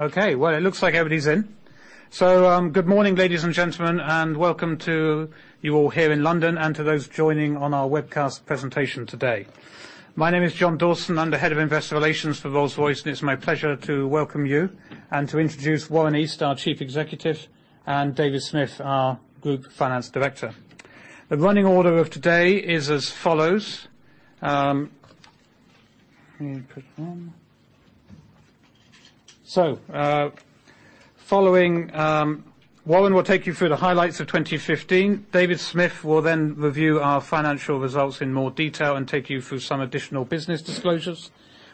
Okay. Well, it looks like everybody's in. Good morning, ladies and gentlemen, and welcome to you all here in London, and to those joining on our webcast presentation today. My name is John Dawson. I'm the Head of Investor Relations for Rolls-Royce, and it's my pleasure to welcome you and to introduce Warren East, our Chief Executive, and David Smith, our Group Finance Director. The running order of today is as follows. Let me put it there. Following, Warren will take you through the highlights of 2015. David Smith will review our financial results in more detail and take you through some additional business disclosures.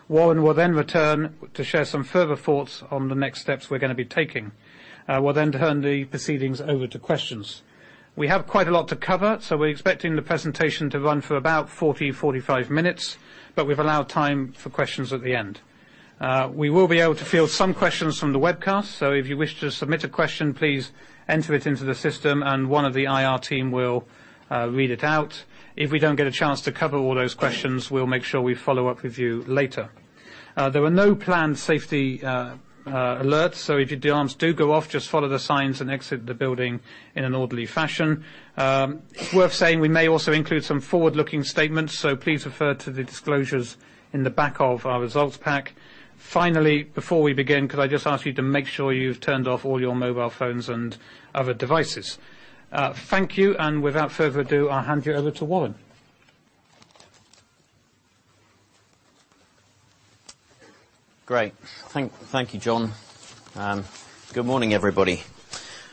Warren will return to share some further thoughts on the next steps we're going to be taking. We'll turn the proceedings over to questions. We have quite a lot to cover. We're expecting the presentation to run for about 40, 45 minutes. We've allowed time for questions at the end. We will be able to field some questions from the webcast. If you wish to submit a question, please enter it into the system and one of the IR team will read it out. If we don't get a chance to cover all those questions, we'll make sure we follow up with you later. There are no planned safety alerts. If the alarms do go off, just follow the signs and exit the building in an orderly fashion. It's worth saying we may also include some forward-looking statements. Please refer to the disclosures in the back of our results pack. Finally, before we begin, could I just ask you to make sure you've turned off all your mobile phones and other devices? Thank you. Without further ado, I'll hand you over to Warren. Great. Thank you, John. Good morning, everybody.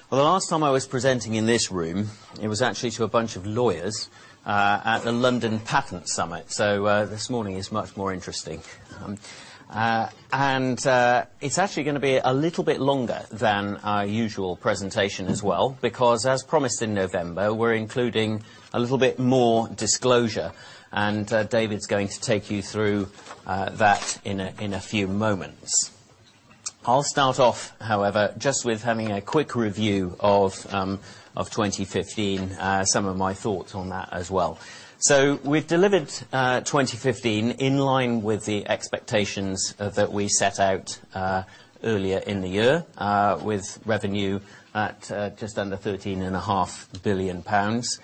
The last time I was presenting in this room, it was actually to a bunch of lawyers, at the London IP Summit. This morning is much more interesting. It's actually going to be a little bit longer than our usual presentation as well because, as promised in November, we're including a little bit more disclosure, and David's going to take you through that in a few moments. I'll start off, however, just with having a quick review of 2015, some of my thoughts on that as well. We've delivered 2015 in line with the expectations that we set out earlier in the year, with revenue at just under 13.5 billion pounds.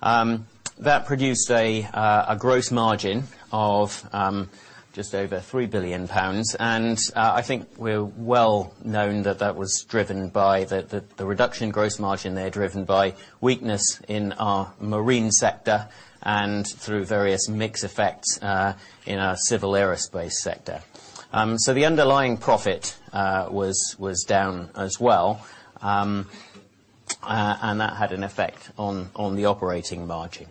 That produced a gross margin of just over 3 billion pounds. I think we're well known that that was driven by the reduction in gross margin there, driven by weakness in our marine sector and through various mix effects in our civil aerospace sector. The underlying profit was down as well. That had an effect on the operating margin.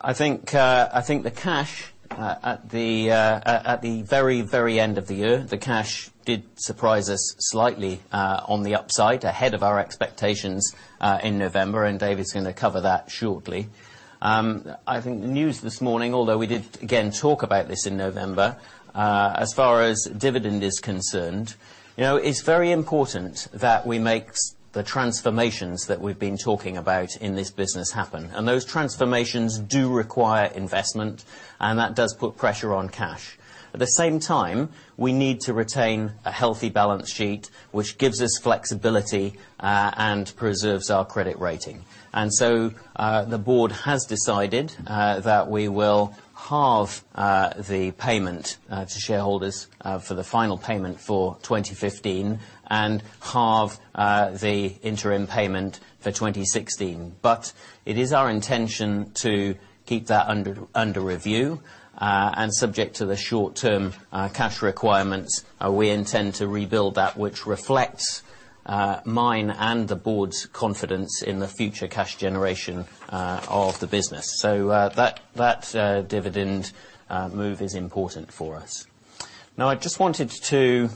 I think the cash at the very, very end of the year, the cash did surprise us slightly, on the upside, ahead of our expectations in November. David's going to cover that shortly. I think news this morning, although we did again talk about this in November, as far as dividend is concerned, it's very important that we make the transformations that we've been talking about in this business happen. Those transformations do require investment. That does put pressure on cash. At the same time, we need to retain a healthy balance sheet, which gives us flexibility and preserves our credit rating. The board has decided that we will halve the payment to shareholders for the final payment for 2015 and halve the interim payment for 2016. It is our intention to keep that under review. Subject to the short-term cash requirements, we intend to rebuild that which reflects mine and the board's confidence in the future cash generation of the business. That dividend move is important for us. Now, I just wanted to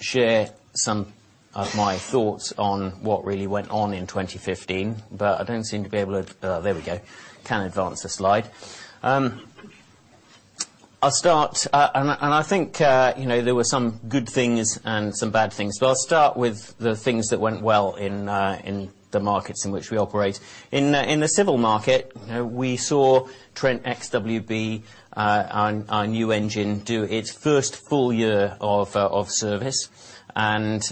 share some of my thoughts on what really went on in 2015. I don't seem to be able to. Oh, there we go. Can advance the slide. I'll start. I think there were some good things and some bad things. I'll start with the things that went well in the markets in which we operate. In the civil market, we saw Trent XWB, our new engine, do its first full year of service and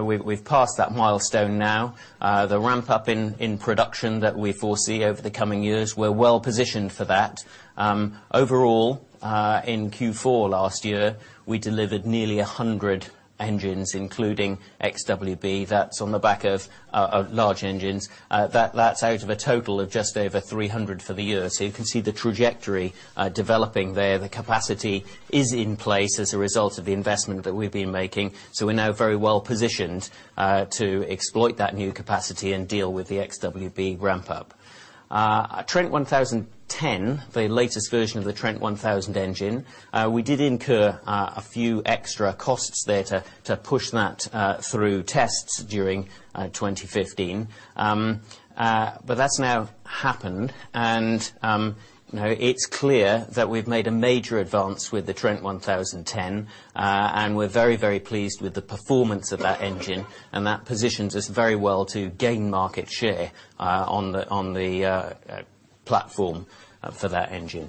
we've passed that milestone now. The ramp-up in production that we foresee over the coming years, we're well-positioned for that. Overall, in Q4 last year, we delivered nearly 100 engines, including XWB. That's on the back of large engines. That's out of a total of just over 300 for the year. You can see the trajectory developing there. The capacity is in place as a result of the investment that we've been making. We're now very well-positioned to exploit that new capacity and deal with the XWB ramp-up. Trent 1000 TEN, the latest version of the Trent 1000 engine, we did incur a few extra costs there to push that through tests during 2015. That's now happened. It's clear that we've made a major advance with the Trent 1000 TEN. We're very, very pleased with the performance of that engine. That positions us very well to gain market share on the platform for that engine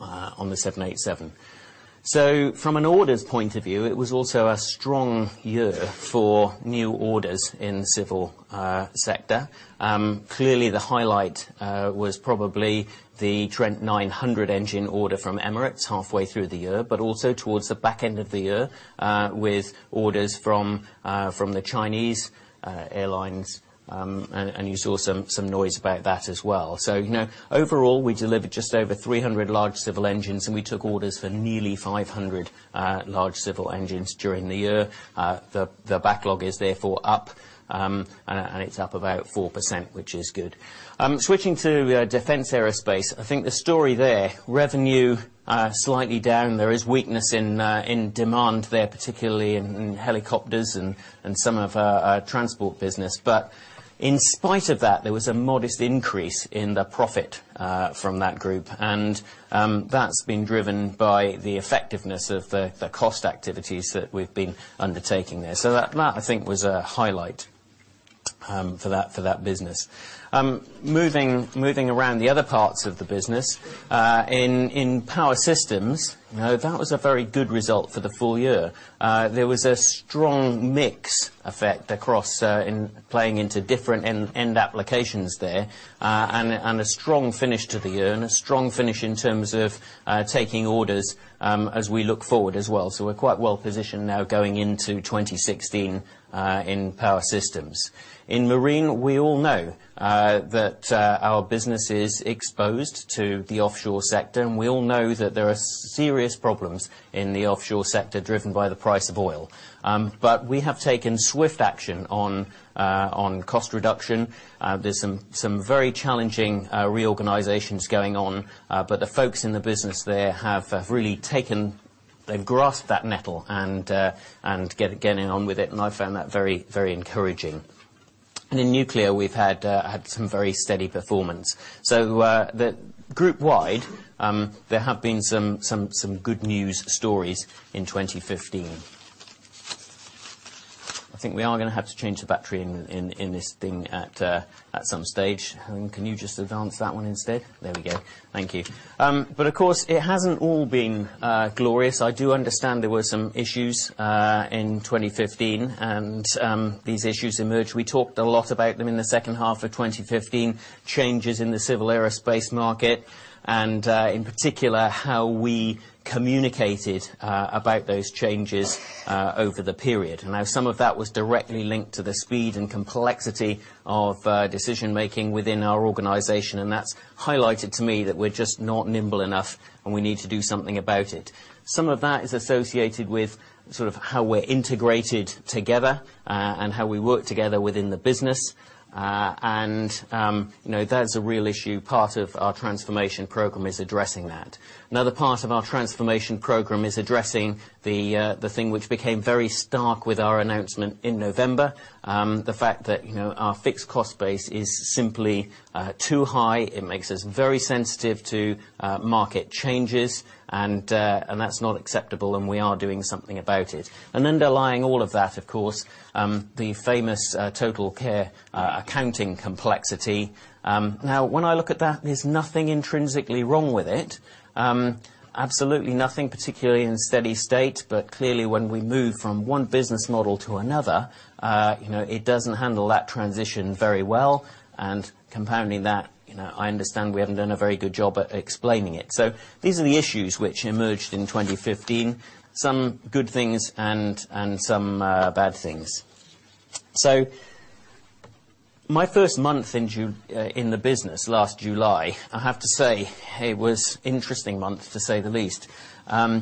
On the 787. From an orders point of view, it was also a strong year for new orders in civil sector. Clearly, the highlight was probably the Trent 900 engine order from Emirates halfway through the year, but also towards the back end of the year with orders from the Chinese Airlines. You saw some noise about that as well. Overall, we delivered just over 300 large civil engines, and we took orders for nearly 500 large civil engines during the year. The backlog is therefore up. It's up about 4%, which is good. Switching to Defence Aerospace, I think the story there, revenue slightly down. There is weakness in demand there, particularly in helicopters and some of our transport business. In spite of that, there was a modest increase in the profit from that group, and that's been driven by the effectiveness of the cost activities that we've been undertaking there. That, I think, was a highlight for that business. Moving around the other parts of the business. In Power Systems, that was a very good result for the full year. There was a strong mix effect across in playing into different end applications there, and a strong finish to the year and a strong finish in terms of taking orders as we look forward as well. We're quite well-positioned now going into 2016 in Power Systems. In Marine, we all know that our business is exposed to the offshore sector, and we all know that there are serious problems in the offshore sector, driven by the price of oil. We have taken swift action on cost reduction. There's some very challenging reorganizations going on, but the folks in the business there have really grasped that nettle and getting on with it, and I found that very encouraging. In Nuclear, we've had some very steady performance. Group wide, there have been some good news stories in 2015. I think we are going to have to change the battery in this thing at some stage. Helen, can you just advance that one instead? There we go. Thank you. Of course, it hasn't all been glorious. I do understand there were some issues in 2015, and these issues emerged. We talked a lot about them in the second half of 2015, changes in the civil aerospace market, and in particular, how we communicated about those changes over the period. Now some of that was directly linked to the speed and complexity of decision-making within our organization, and that's highlighted to me that we're just not nimble enough, and we need to do something about it. Some of that is associated with sort of how we're integrated together and how we work together within the business, and that is a real issue. Part of our transformation program is addressing that. Another part of our transformation program is addressing the thing which became very stark with our announcement in November. The fact that our fixed cost base is simply too high. It makes us very sensitive to market changes, and that's not acceptable and we are doing something about it. Underlying all of that, of course, the famous TotalCare accounting complexity. Now, when I look at that, there's nothing intrinsically wrong with it. Absolutely nothing, particularly in steady state. Clearly, when we move from one business model to another, it doesn't handle that transition very well. Compounding that, I understand we haven't done a very good job at explaining it. These are the issues which emerged in 2015, some good things and some bad things. My first month in the business last July, I have to say it was interesting month, to say the least. At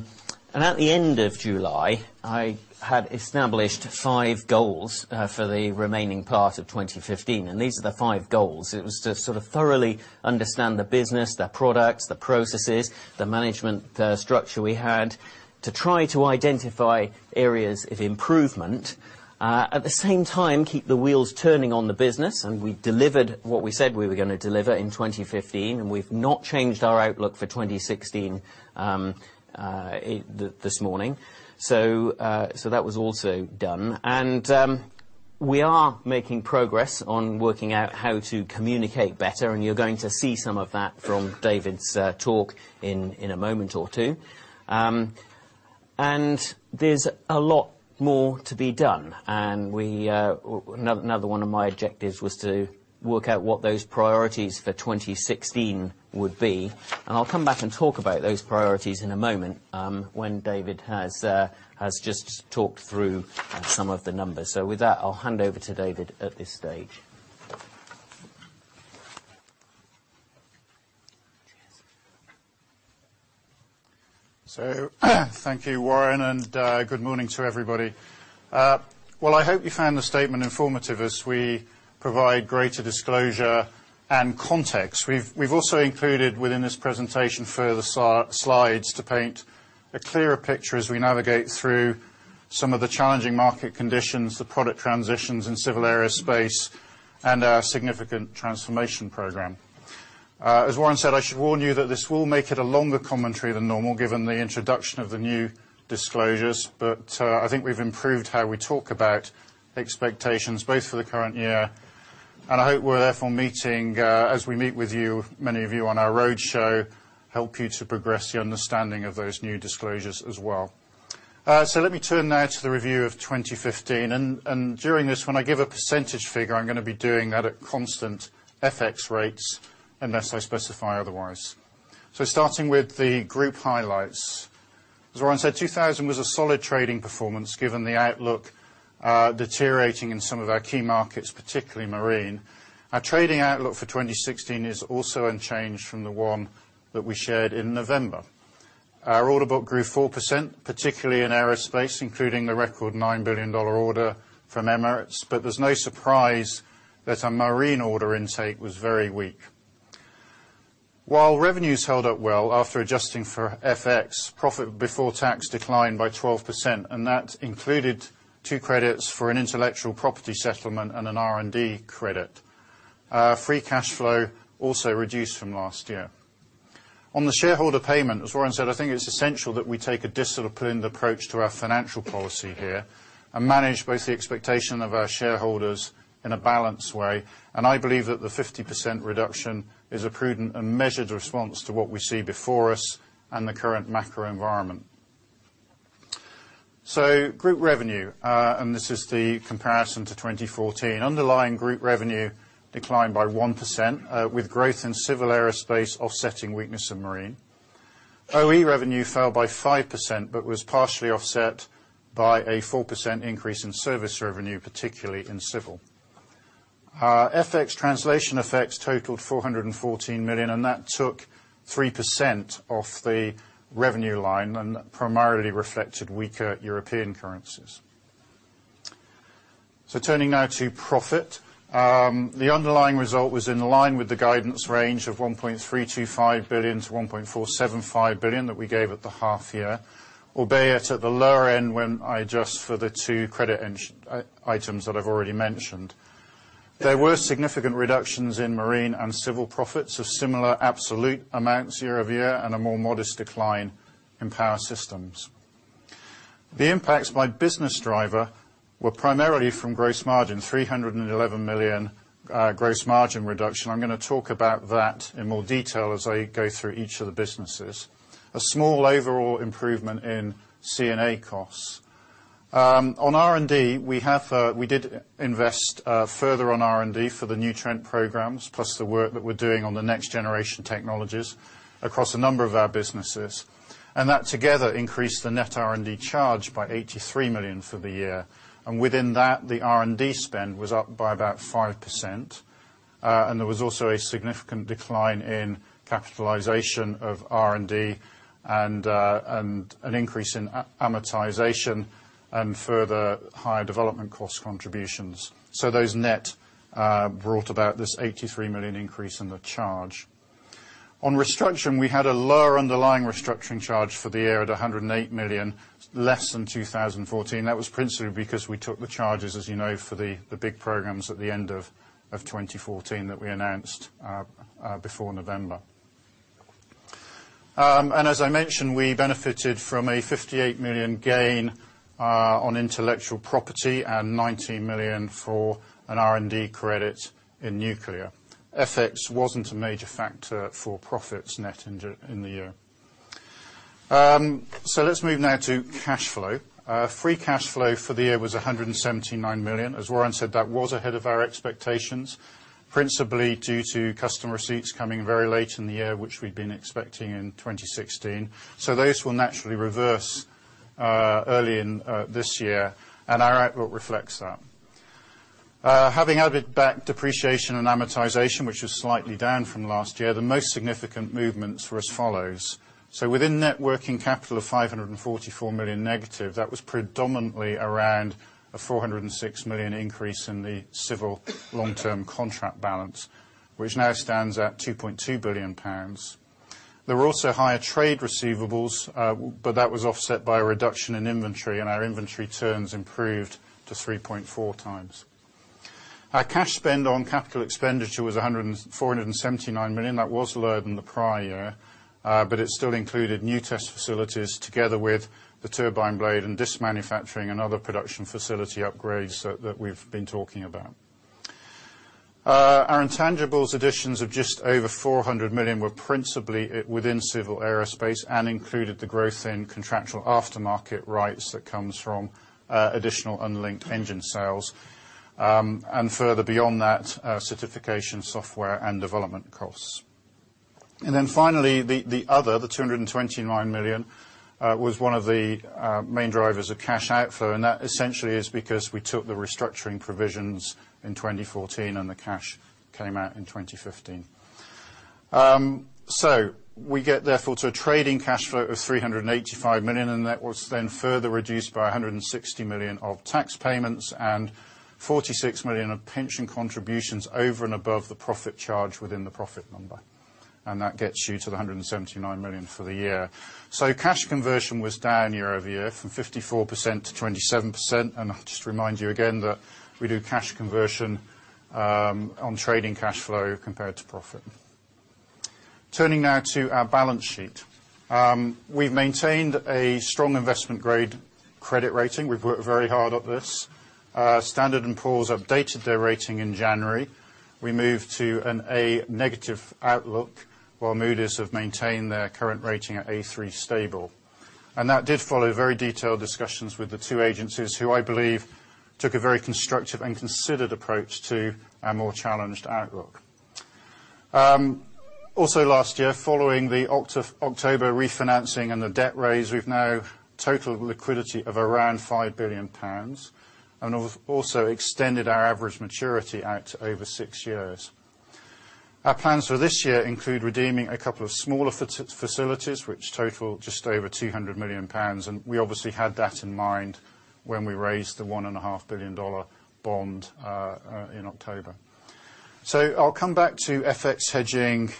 the end of July, I had established five goals for the remaining part of 2015, and these are the five goals. It was to sort of thoroughly understand the business, the products, the processes, the management structure we had. To try to identify areas of improvement. At the same time, keep the wheels turning on the business, we delivered what we said we were going to deliver in 2015, we've not changed our outlook for 2016 this morning. That was also done. We are making progress on working out how to communicate better, you're going to see some of that from David's talk in a moment or two. There's a lot more to be done. Another one of my objectives was to work out what those priorities for 2016 would be. I'll come back and talk about those priorities in a moment, when David has just talked through some of the numbers. With that, I'll hand over to David at this stage. Thank you, Warren. Good morning to everybody. I hope you found the statement informative as we provide greater disclosure and context. We've also included within this presentation further slides to paint a clearer picture as we navigate through some of the challenging market conditions, the product transitions in civil aerospace, and our significant transformation program. As Warren said, I should warn you that this will make it a longer commentary than normal, given the introduction of the new disclosures. I think we've improved how we talk about expectations, both for the current year. I hope we're therefore meeting, as we meet with many of you on our roadshow, help you to progress the understanding of those new disclosures as well. Let me turn now to the review of 2015, during this, when I give a percentage figure, I'm going to be doing that at constant FX rates unless I specify otherwise. Starting with the group highlights. As Warren said, 2015 was a solid trading performance given the outlook deteriorating in some of our key markets, particularly marine. Our trading outlook for 2016 is also unchanged from the one that we shared in November. Our order book grew 4%, particularly in aerospace, including the record $9 billion order from Emirates, there's no surprise that our marine order intake was very weak. While revenues held up well after adjusting for FX, profit before tax declined by 12%, that included two credits for an intellectual property settlement and an R&D credit. Free cash flow also reduced from last year. On the shareholder payment, as Warren said, I think it's essential that we take a disciplined approach to our financial policy here and manage both the expectation of our shareholders in a balanced way, I believe that the 50% reduction is a prudent and measured response to what we see before us and the current macro environment. Group revenue, this is the comparison to 2014. Underlying group revenue declined by 1%, with growth in civil aerospace offsetting weakness in marine. OE revenue fell by 5%, was partially offset by a 4% increase in service revenue, particularly in civil. FX translation effects totaled 414 million, that took 3% off the revenue line, that primarily reflected weaker European currencies. Turning now to profit. The underlying result was in line with the guidance range of 1.325 billion-1.475 billion that we gave at the half year, albeit at the lower end when I adjust for the two credit items that I've already mentioned. There were significant reductions in marine and civil profits of similar absolute amounts year-over-year and a more modest decline in Power Systems. The impacts by business driver were primarily from gross margin, 311 million gross margin reduction. I am going to talk about that in more detail as I go through each of the businesses. A small overall improvement in G&A costs. On R&D, we did invest further on R&D for the new Trent programs, plus the work that we are doing on the next-generation technologies across a number of our businesses. That together increased the net R&D charge by 83 million for the year. Within that, the R&D spend was up by about 5%, and there was also a significant decline in capitalization of R&D and an increase in amortization and further higher development cost contributions. Those net brought about this 83 million increase in the charge. On restructuring, we had a lower underlying restructuring charge for the year at 108 million, less than 2014. That was principally because we took the charges, as you know, for the big programs at the end of 2014 that we announced before November. As I mentioned, we benefited from a 58 million gain on intellectual property and 19 million for an R&D credit in Nuclear. FX wasn't a major factor for profits net in the year. Let's move now to cash flow. Free cash flow for the year was 179 million. As Warren said, that was ahead of our expectations, principally due to custom receipts coming very late in the year, which we had been expecting in 2016. Those will naturally reverse early in this year, and our outlook reflects that. Having added back depreciation and amortization, which was slightly down from last year, the most significant movements were as follows. Within net working capital of 544 million negative, that was predominantly around a 406 million increase in the civil long-term contract balance, which now stands at 2.2 billion pounds. There were also higher trade receivables, but that was offset by a reduction in inventory, and our inventory turns improved to 3.4 times. Our cash spend on capital expenditure was 479 million. That was lower than the prior year, but it still included new test facilities together with the turbine blade and disc manufacturing and other production facility upgrades that we have been talking about. Our intangibles additions of just over 400 million were principally within civil aerospace and included the growth in contractual aftermarket rights that comes from additional unlinked engine sales, and further beyond that, certification software and development costs. Finally, the other, the 229 million, was one of the main drivers of cash outflow, and that essentially is because we took the restructuring provisions in 2014 and the cash came out in 2015. We get therefore to a trading cash flow of 385 million, and that was then further reduced by 160 million of tax payments and 46 million of pension contributions over and above the profit charge within the profit number. That gets you to the 179 million for the year. Cash conversion was down year-over-year from 54% to 27%, and I'll just remind you again that we do cash conversion on trading cash flow compared to profit. Turning now to our balance sheet. We've maintained a strong investment grade credit rating. We've worked very hard at this. Standard & Poor's updated their rating in January. We moved to a negative outlook, while Moody's have maintained their current rating at A3 stable. That did follow very detailed discussions with the two agencies, who I believe took a very constructive and considered approach to our more challenged outlook. Also last year, following the October refinancing and the debt raise, we've now total liquidity of around 5 billion pounds, and have also extended our average maturity out to over six years. Our plans for this year include redeeming a couple of smaller facilities, which total just over 200 million pounds. We obviously had that in mind when we raised the $1.5 billion bond in October. I'll come back to FX hedging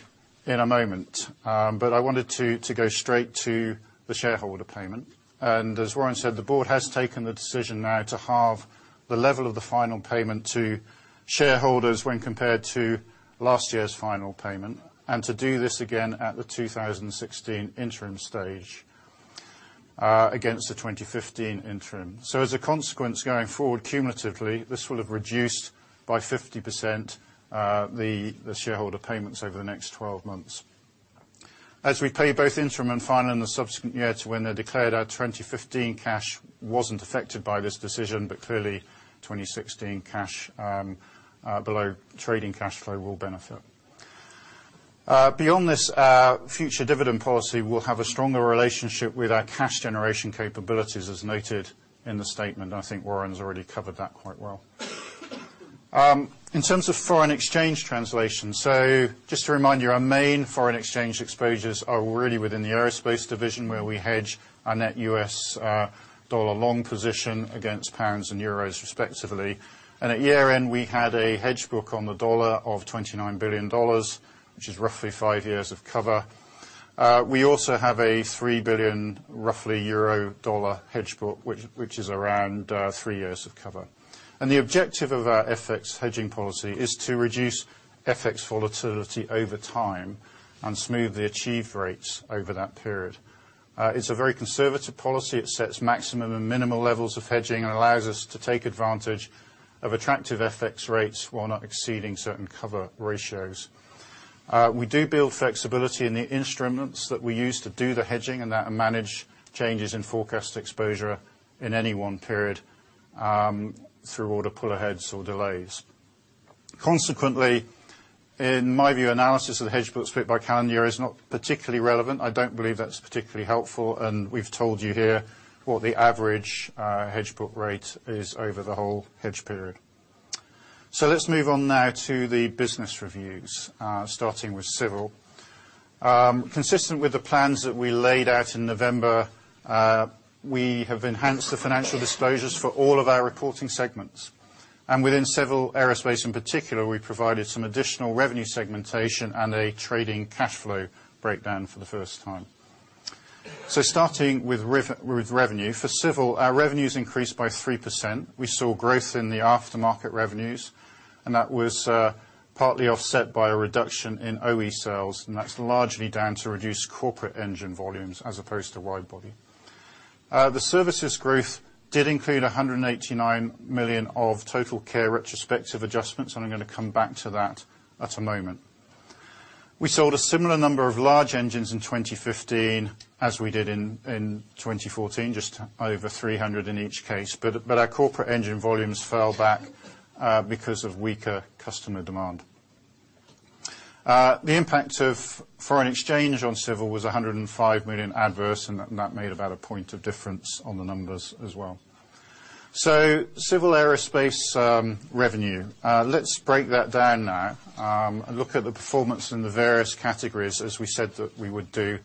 in a moment, but I wanted to go straight to the shareholder payment. As Warren said, the board has taken the decision now to halve the level of the final payment to shareholders when compared to last year's final payment, and to do this again at the 2016 interim stage against the 2015 interim. As a consequence, going forward cumulatively, this will have reduced by 50% the shareholder payments over the next 12 months. As we pay both interim and final in the subsequent year to when they're declared, our 2015 cash wasn't affected by this decision, but clearly 2016 cash below trading cash flow will benefit. Beyond this, future dividend policy will have a stronger relationship with our cash generation capabilities, as noted in the statement. Warren's already covered that quite well. In terms of foreign exchange translation, just to remind you, our main foreign exchange exposures are really within the aerospace division, where we hedge our net U.S. dollar long position against pounds and euros respectively. At year-end, we had a hedge book on the dollar of $29 billion, which is roughly five years of cover. We also have a 3 billion, roughly euro/dollar hedge book, which is around three years of cover. The objective of our FX hedging policy is to reduce FX volatility over time and smooth the achieved rates over that period. It's a very conservative policy. It sets maximum and minimal levels of hedging and allows us to take advantage of attractive FX rates while not exceeding certain cover ratios. We do build flexibility in the instruments that we use to do the hedging, and that manage changes in forecast exposure in any one period through order pull aheads or delays. Consequently, in my view, analysis of the hedge book split by calendar is not particularly relevant. I don't believe that's particularly helpful, and we've told you here what the average hedge book rate is over the whole hedge period. Let's move on now to the business reviews, starting with civil. Consistent with the plans that we laid out in November, we have enhanced the financial disclosures for all of our reporting segments. Within civil aerospace in particular, we provided some additional revenue segmentation and a trading cash flow breakdown for the first time. Starting with revenue. For civil, our revenues increased by 3%. We saw growth in the aftermarket revenues, that was partly offset by a reduction in OE sales, and that's largely down to reduced corporate engine volumes as opposed to wide body. The services growth did include 189 million of TotalCare retrospective adjustments, and I'm going to come back to that at a moment. We sold a similar number of large engines in 2015 as we did in 2014, just over 300 in each case. Our corporate engine volumes fell back because of weaker customer demand. The impact of foreign exchange on civil was 105 million adverse, that made about a point of difference on the numbers as well. Civil aerospace revenue. Let's break that down now and look at the performance in the various categories as we said that we would do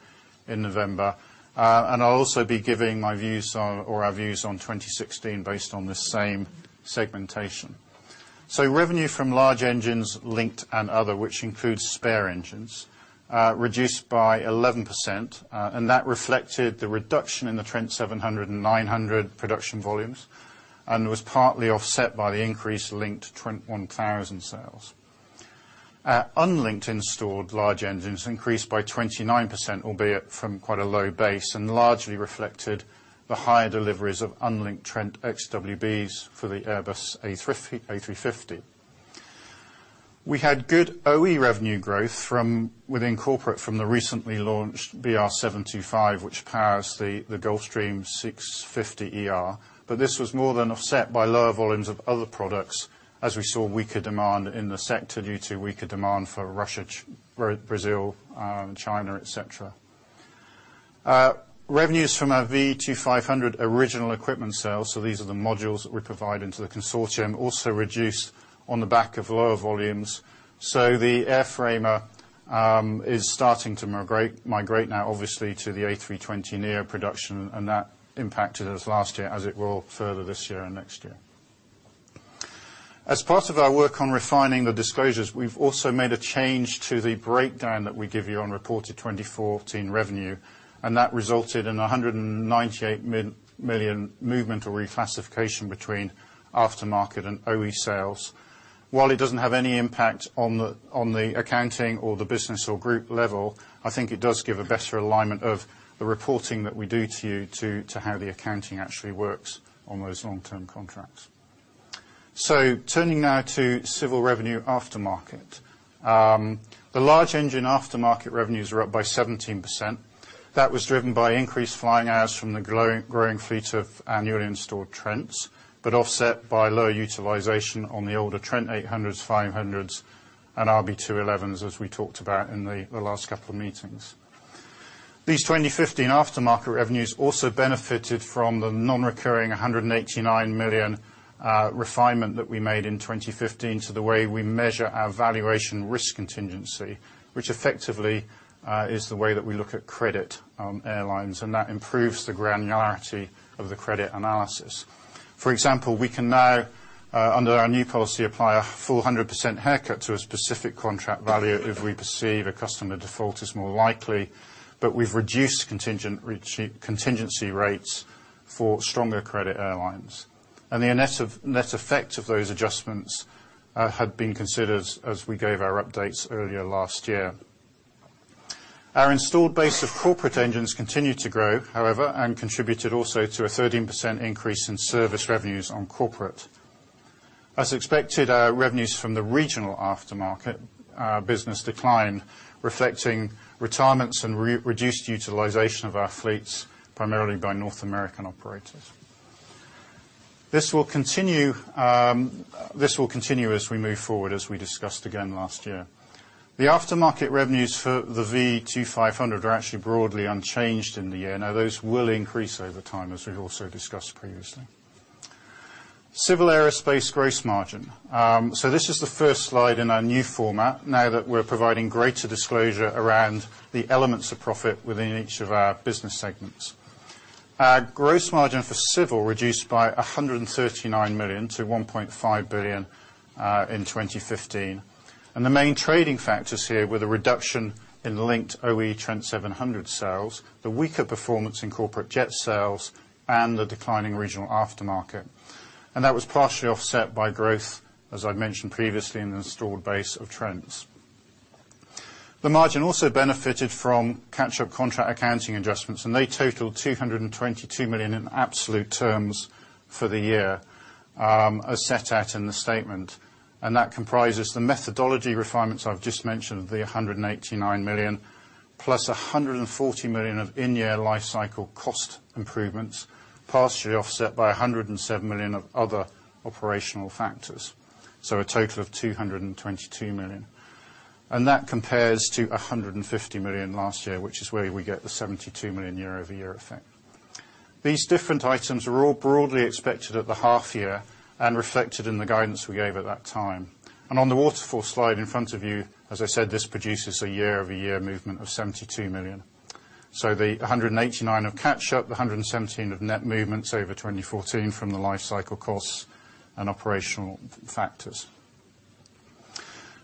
in November. I'll also be giving my views, or our views on 2016 based on the same segmentation. Revenue from large engines, linked and other, which includes spare engines, reduced by 11%, that reflected the reduction in the Trent 700 and 900 production volumes and was partly offset by the increase linked to Trent 1000 sales. Our unlinked installed large engines increased by 29%, albeit from quite a low base, and largely reflected the higher deliveries of unlinked Trent XWBs for the Airbus A350. We had good OE revenue growth from within corporate from the recently launched BR725, which powers the Gulfstream G650ER. This was more than offset by lower volumes of other products as we saw weaker demand in the sector due to weaker demand for Russia, Brazil, and China, et cetera. Revenues from our V2500 original equipment sales, these are the modules that we provide into the consortium, also reduced on the back of lower volumes. The airframer is starting to migrate now obviously to the A320neo production, and that impacted us last year as it will further this year and next year. As part of our work on refining the disclosures, we've also made a change to the breakdown that we give you on reported 2014 revenue, and that resulted in 198 million movement or reclassification between aftermarket and OE sales. While it doesn't have any impact on the accounting or the business or group level, I think it does give a better alignment of the reporting that we do to you to how the accounting actually works on those long-term contracts. Turning now to civil revenue aftermarket. The large engine aftermarket revenues are up by 17%. That was driven by increased flying hours from the growing fleet of annually installed Trents, offset by lower utilization on the older Trent 800s, 500s, and RB211s, as we talked about in the last couple of meetings. These 2015 aftermarket revenues also benefited from the non-recurring 189 million refinement that we made in 2015 to the way we measure our valuation risk contingency, which effectively is the way that we look at credit on airlines, and that improves the granularity of the credit analysis. For example, we can now, under our new policy, apply a 400% haircut to a specific contract value if we perceive a customer default is more likely, but we've reduced contingency rates for stronger credit airlines. The net effect of those adjustments had been considered as we gave our updates earlier last year. Our installed base of corporate engines continued to grow, however, and contributed also to a 13% increase in service revenues on corporate. As expected, our revenues from the regional aftermarket business declined, reflecting retirements and reduced utilization of our fleets, primarily by North American operators. This will continue as we move forward, as we discussed again last year. The aftermarket revenues for the V2500 are actually broadly unchanged in the year. Those will increase over time, as we've also discussed previously. Civil aerospace gross margin. This is the first slide in our new format now that we're providing greater disclosure around the elements of profit within each of our business segments. Our gross margin for civil reduced by 139 million to 1.5 billion in 2015. The main trading factors here were the reduction in linked OE Trent 700 sales, the weaker performance in corporate jet sales, and the declining regional aftermarket. That was partially offset by growth, as I mentioned previously, in the installed base of Trents. The margin also benefited from catch-up contract accounting adjustments, and they totaled 222 million in absolute terms for the year, as set out in the statement. That comprises the methodology refinements I've just mentioned of the 189 million, plus 140 million of in-year life cycle cost improvements, partially offset by 107 million of other operational factors. A total of 222 million. That compares to 150 million last year, which is where we get the 72 million year-over-year effect. These different items are all broadly expected at the half year and reflected in the guidance we gave at that time. On the waterfall slide in front of you, as I said, this produces a 72 million year-over-year movement. The 189 of catch-up, the 117 of net movements over 2014 from the life cycle costs and operational factors.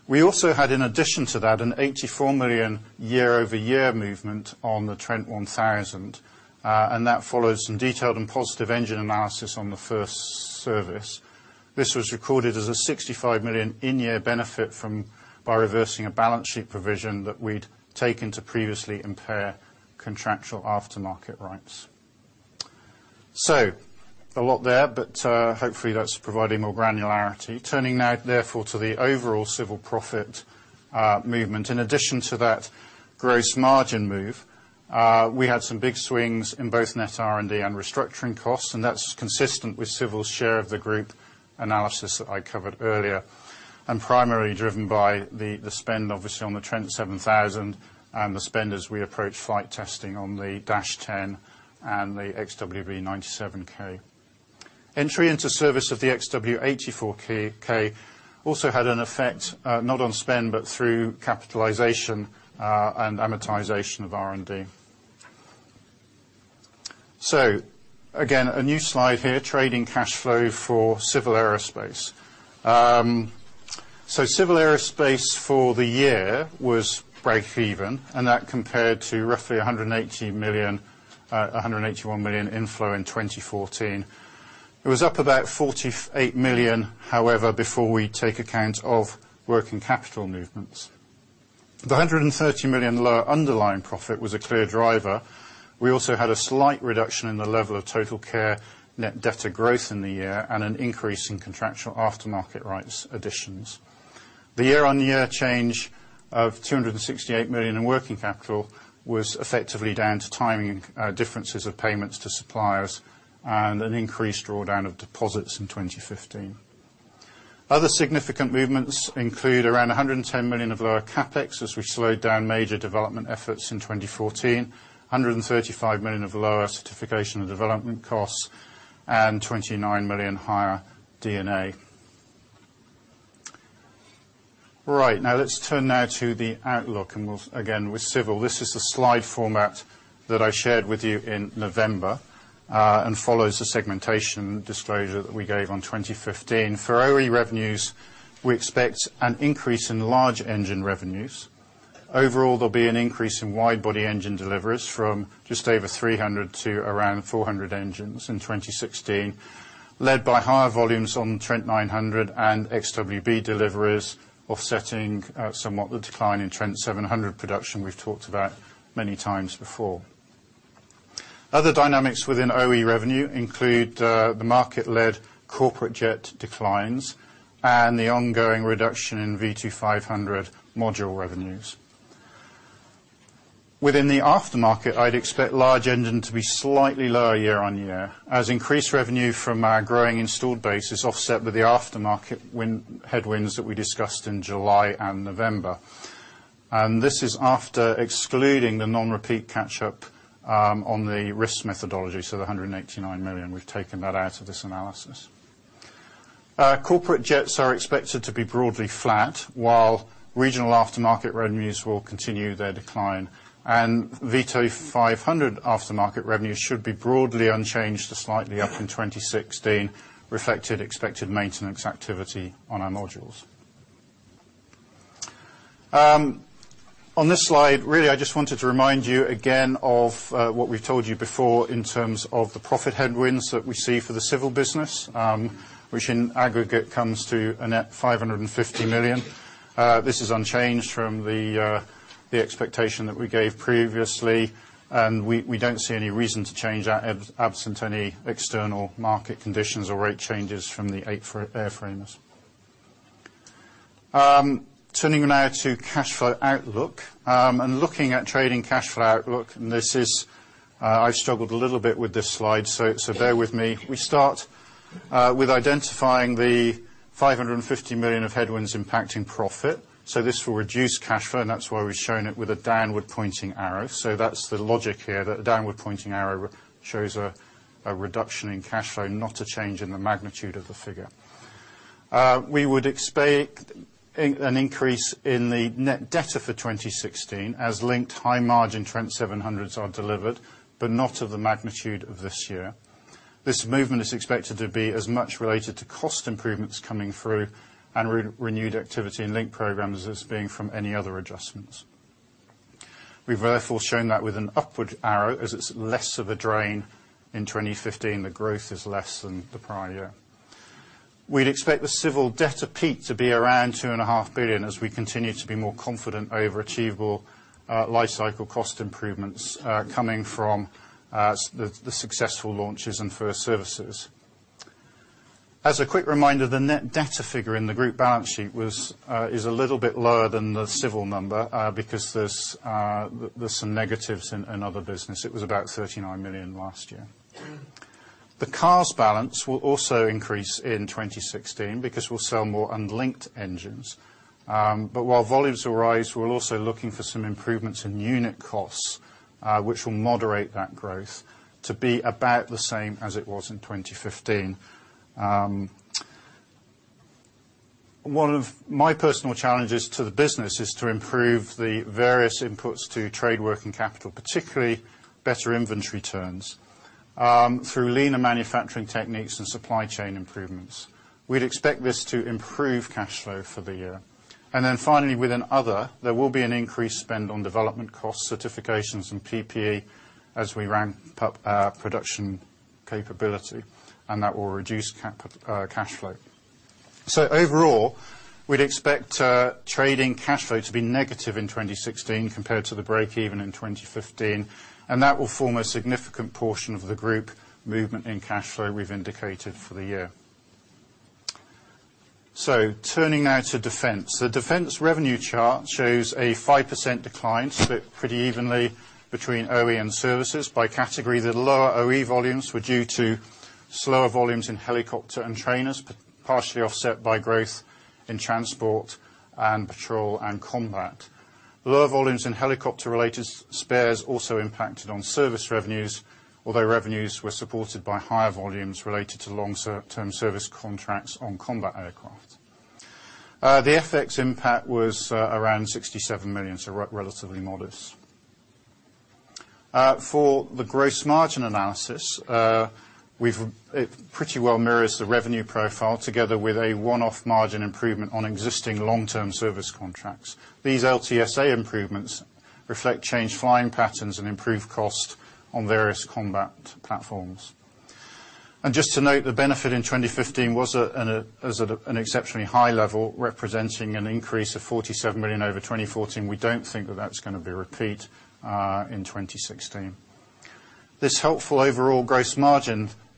We also had, in addition to that, a 84 million year-over-year movement on the Trent 1000, and that follows some detailed and positive engine analysis on the first service. This was recorded as a 65 million in-year benefit by reversing a balance sheet provision that we'd taken to previously impair contractual aftermarket rights. A lot there, but hopefully that's providing more granularity. Turning now, therefore, to the overall civil profit movement. In addition to that gross margin move, we had some big swings in both net R&D and restructuring costs, and that's consistent with civil's share of the group analysis that I covered earlier, and primarily driven by the spend, obviously, on the Trent 7000 and the spend as we approach flight testing on the -10 and the XWB-97K. Entry into service of the XWB-84K also had an effect, not on spend, but through capitalization and amortization of R&D. Again, a new slide here, trading cash flow for civil aerospace. Civil aerospace for the year was break even, and that compared to roughly 181 million inflow in 2014. It was up about 48 million, however, before we take account of working capital movements. The 130 million lower underlying profit was a clear driver. We also had a slight reduction in the level of TotalCare net debt to growth in the year and an increase in contractual aftermarket rights additions. The year-on-year change of 268 million in working capital was effectively down to timing differences of payments to suppliers and an increased drawdown of deposits in 2015. Other significant movements include around 110 million of lower CapEx as we slowed down major development efforts in 2014, 135 million of lower certification and development costs, and 29 million higher D&A. Let's turn now to the outlook, and we'll begin with Civil. This is the slide format that I shared with you in November, and follows the segmentation disclosure that we gave on 2015. For OE revenues, we expect an increase in large engine revenues. Overall, there'll be an increase in wide-body engine deliveries from just over 300 to around 400 engines in 2016, led by higher volumes on Trent 900 and XWB deliveries offsetting somewhat the decline in Trent 700 production we've talked about many times before. Other dynamics within OE revenue include the market-led corporate jet declines and the ongoing reduction in V2500 module revenues. Within the aftermarket, I'd expect large engine to be slightly lower year-on-year, as increased revenue from our growing installed base is offset with the aftermarket headwinds that we discussed in July and November. This is after excluding the non-repeat catch-up on the risk methodology. The 189 million, we've taken that out of this analysis. Corporate jets are expected to be broadly flat, while regional aftermarket revenues will continue their decline. V2500 aftermarket revenues should be broadly unchanged to slightly up in 2016, reflected expected maintenance activity on our modules. On this slide, really, I just wanted to remind you again of what we've told you before in terms of the profit headwinds that we see for the Civil business, which in aggregate comes to a net 550 million. This is unchanged from the expectation that we gave previously, we don't see any reason to change that absent any external market conditions or rate changes from the airframes. Turning now to cash flow outlook and looking at trading cash flow outlook, I struggled a little bit with this slide, bear with me. We start with identifying the 550 million of headwinds impacting profit. This will reduce cash flow, and that's why we've shown it with a downward-pointing arrow. That's the logic here: that a downward-pointing arrow shows a reduction in cash flow, not a change in the magnitude of the figure. We would expect an increase in the net debt for 2016 as linked high-margin Trent 700s are delivered, but not of the magnitude of this year. This movement is expected to be as much related to cost improvements coming through and renewed activity in linked programs as it is being from any other adjustments. We've, therefore, shown that with an upward arrow, as it's less of a drain in 2015. The growth is less than the prior year. We'd expect the Civil debt of peak to be around two and a half billion, as we continue to be more confident over achievable life cycle cost improvements coming from the successful launches and first services. As a quick reminder, the net debt figure in the group balance sheet is a little bit lower than the Civil number, because there is some negatives in other business. It was about 39 million last year. The CARS balance will also increase in 2016 because we will sell more unlinked engines. While volumes will rise, we are also looking for some improvements in unit costs, which will moderate that growth to be about the same as it was in 2015. One of my personal challenges to the business is to improve the various inputs to trade working capital, particularly better inventory turns, through leaner manufacturing techniques and supply chain improvements. We would expect this to improve cash flow for the year. Finally, with other, there will be an increased spend on development costs, certifications, and PPE as we ramp up our production capability, and that will reduce cash flow. Overall, we would expect trading cash flow to be negative in 2016 compared to the break-even in 2015, and that will form a significant portion of the group movement in cash flow we have indicated for the year. Turning now to Defence. The Defence revenue chart shows a 5% decline split pretty evenly between OE and services. By category, the lower OE volumes were due to slower volumes in helicopter and trainers, partially offset by growth in transport and patrol and combat. Lower volumes in helicopter-related spares also impacted on service revenues, although revenues were supported by higher volumes related to long-term service contracts on combat aircraft. The FX impact was around 67 million, so relatively modest. For the gross margin analysis, it pretty well mirrors the revenue profile together with a one-off margin improvement on existing long-term service contracts. These LTSA improvements reflect changed flying patterns and improved cost on various combat platforms. Just to note, the benefit in 2015 was at an exceptionally high level, representing an increase of 47 million over 2014. We do not think that that is going to be a repeat in 2016.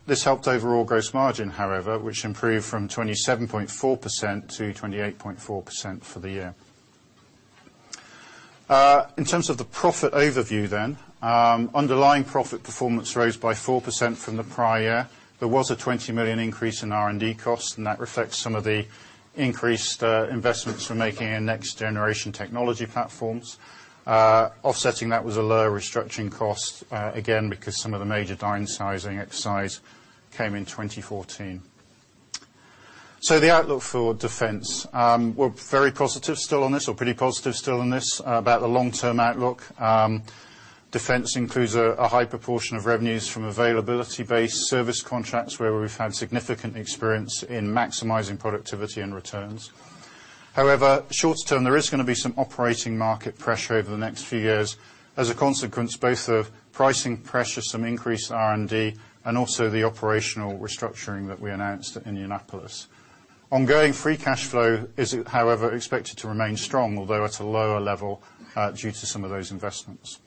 This helped overall gross margin, however, which improved from 27.4%-28.4% for the year. In terms of the profit overview, underlying profit performance rose by 4% from the prior year. There was a 20 million increase in R&D costs, and that reflects some of the increased investments we are making in next-generation technology platforms. Offsetting that was a lower restructuring cost, again, because some of the major downsizing exercise came in 2014. The outlook for Defence. We are very positive still on this, or pretty positive still on this, about the long-term outlook. Defence includes a high proportion of revenues from availability-based service contracts where we have had significant experience in maximizing productivity and returns. However, short-term, there is going to be some operating market pressure over the next few years. As a consequence, both the pricing pressure, some increased R&D, and also the operational restructuring that we announced at Indianapolis. Ongoing free cash flow is, however, expected to remain strong, although at a lower level, due to some of those investments.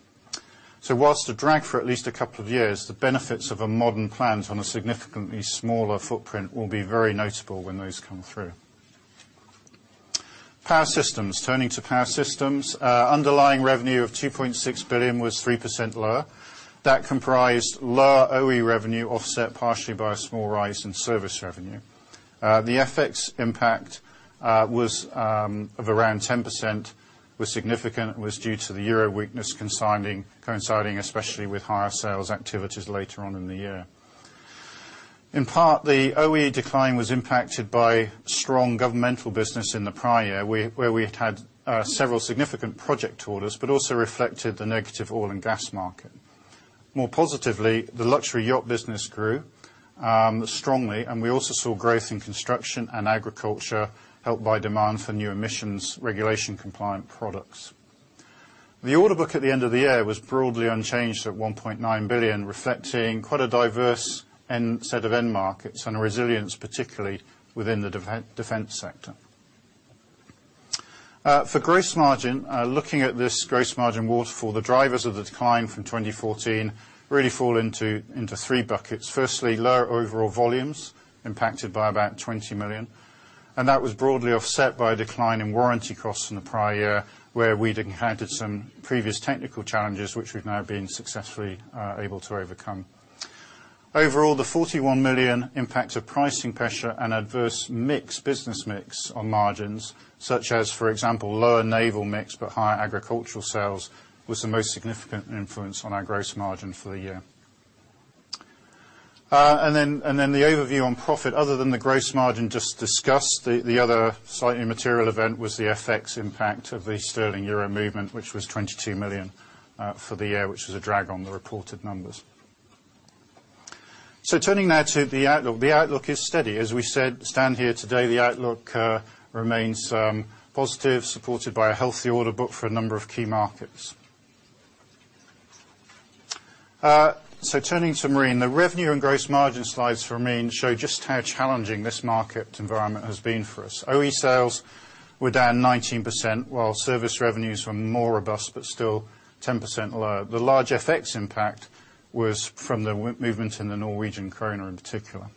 Whilst a drag for at least a couple of years, the benefits of a modern plant on a significantly smaller footprint will be very notable when those come through. Power Systems. Turning to Power Systems, underlying revenue of 2.6 billion was 3% lower. That comprised lower OE revenue offset partially by a small rise in service revenue. The FX impact was of around 10%, was significant. It was due to the EUR weakness coinciding especially with higher sales activities later on in the year. In part, the OE decline was impacted by strong governmental business in the prior year, where we had had several significant project orders, but also reflected the negative oil and gas market. More positively, the luxury yacht business grew strongly, and we also saw growth in construction and agriculture helped by demand for new emissions regulation compliant products. The order book at the end of the year was broadly unchanged at 1.9 billion, reflecting quite a diverse set of end markets and a resilience, particularly within the defense sector. For gross margin, looking at this gross margin waterfall, the drivers of the decline from 2014 really fall into three buckets. Firstly, lower overall volumes impacted by about 20 million, and that was broadly offset by a decline in warranty costs in the prior year, where we had encountered some previous technical challenges, which we have now been successfully able to overcome. Overall, the 41 million impact of pricing pressure and adverse mix, business mix, on margins such as, for example, lower naval mix, but higher agricultural sales, was the most significant influence on our gross margin for the year. The overview on profit, other than the gross margin just discussed, the other slightly material event was the FX impact of the sterling-EUR movement, which was 22 million for the year, which was a drag on the reported numbers. Turning now to the outlook. The outlook is steady. As we stand here today, the outlook remains positive, supported by a healthy order book for a number of key markets. Turning to Marine. The revenue and gross margin slides for Marine show just how challenging this market environment has been for us. OE sales were down 19%, while service revenues were more robust but still 10% lower. The large FX impact was from the movement in the Norwegian krone in particular.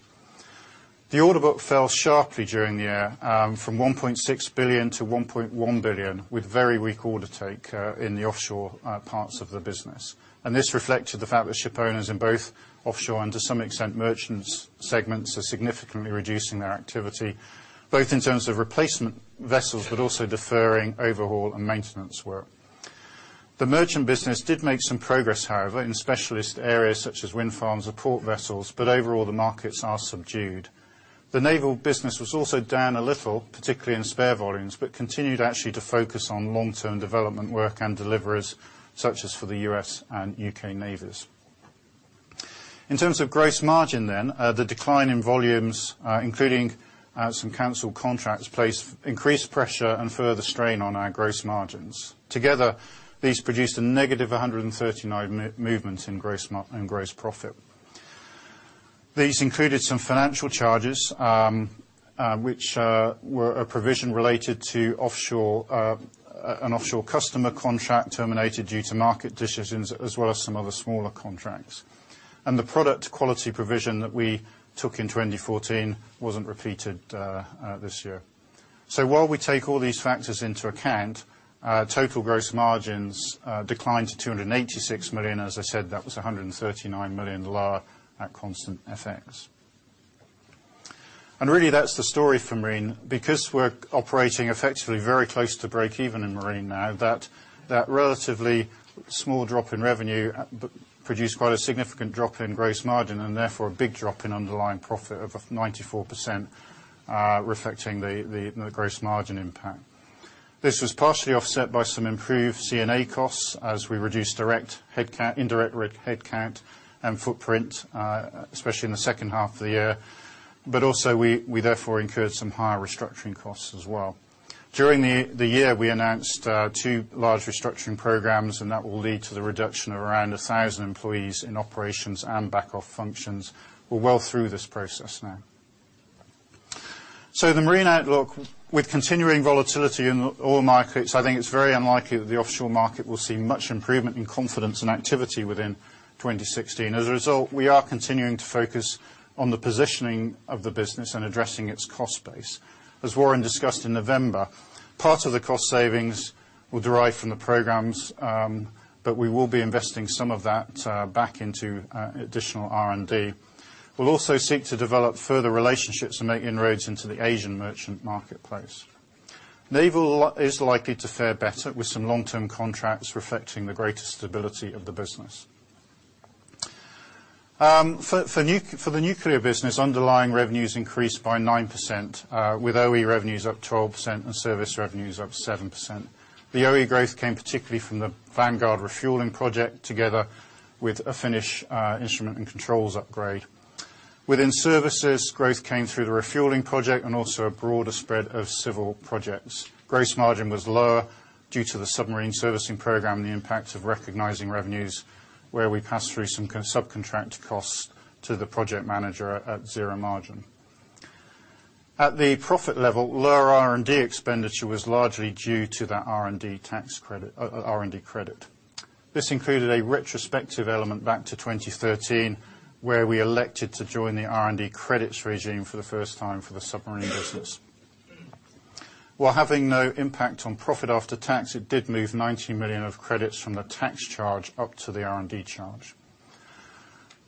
The order book fell sharply during the year, from 1.6 billion to 1.1 billion, with very weak order take in the offshore parts of the business. This reflected the fact that ship owners in both offshore and to some extent merchant segments are significantly reducing their activity, both in terms of replacement vessels, but also deferring overhaul and maintenance work. The merchant business did make some progress, however, in specialist areas such as wind farms or port vessels, but overall, the markets are subdued. The Naval business was also down a little, particularly in spare volumes, but continued actually to focus on long-term development work and deliveries, such as for the U.S. and U.K. navies. In terms of gross margin, the decline in volumes including some canceled contracts, place increased pressure and further strain on our gross margins. Together, these produced a negative 139 movements in gross profit. These included some financial charges, which were a provision related to an offshore customer contract terminated due to market decisions, as well as some other smaller contracts. The product quality provision that we took in 2014 wasn't repeated this year. While we take all these factors into account, total gross margins declined to 286 million. As I said, that was 139 million lower at constant FX. Really that's the story for Marine because we're operating effectively very close to breakeven in Marine now, that relatively small drop in revenue produced quite a significant drop in gross margin and therefore a big drop in underlying profit of 94%, reflecting the gross margin impact. This was partially offset by some improved G&A costs as we reduced indirect headcount and footprint, especially in the second half of the year. Also we therefore incurred some higher restructuring costs as well. During the year, we announced 2 large restructuring programs, and that will lead to the reduction of around 1,000 employees in operations and back-office functions. We're well through this process now. The Marine outlook with continuing volatility in the oil markets, I think it's very unlikely that the offshore market will see much improvement in confidence and activity within 2016. As a result, we are continuing to focus on the positioning of the business and addressing its cost base. As Warren discussed in November, part of the cost savings will derive from the programs, but we will be investing some of that back into additional R&D. We'll also seek to develop further relationships and make inroads into the Asian merchant marketplace. Naval is likely to fare better with some long-term contracts reflecting the greater stability of the business. For the Nuclear business, underlying revenues increased by 9%, with OE revenues up 12% and service revenues up 7%. The OE growth came particularly from the Vanguard refueling project, together with a finished instrument and controls upgrade. Within services, growth came through the refueling project and also a broader spread of civil projects. Gross margin was lower due to the submarine servicing program, the impact of recognizing revenues where we pass through some subcontract costs to the project manager at zero margin. At the profit level, lower R&D expenditure was largely due to that R&D credit. This included a retrospective element back to 2013, where we elected to join the R&D credits regime for the first time for the Submarine business. While having no impact on profit after tax, it did move 90 million of credits from the tax charge up to the R&D charge.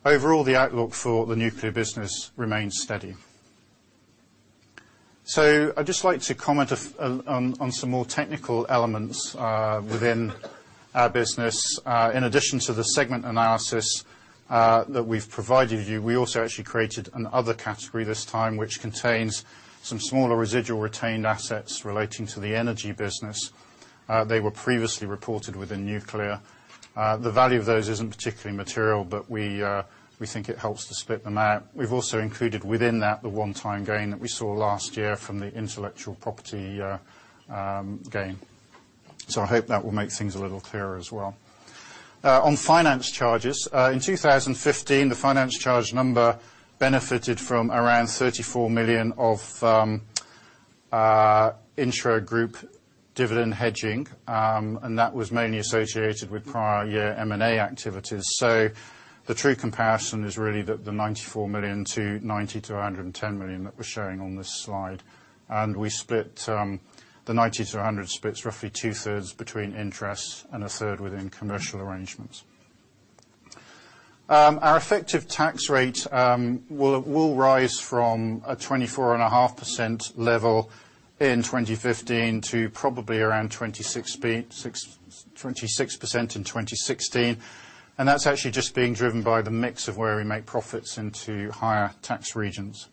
Overall, the outlook for the Nuclear business remains steady. I'd just like to comment on some more technical elements within our business. In addition to the segment analysis that we've provided you, we also actually created an other category this time, which contains some smaller residual retained assets relating to the energy business. They were previously reported within nuclear. The value of those isn't particularly material, but we think it helps to split them out. We've also included within that the one-time gain that we saw last year from the intellectual property gain. I hope that will make things a little clearer as well. On finance charges. In 2015, the finance charge number benefited from around 34 million of intragroup dividend hedging, and that was mainly associated with prior year M&A activities. The true comparison is really the 94 million to 90 million to 110 million that we're showing on this slide. The 90 million-100 million splits roughly two-thirds between interest and a third within commercial arrangements. Our effective tax rate will rise from a 24.5% level in 2015 to probably around 26% in 2016. That's actually just being driven by the mix of where we make profits into higher tax regions.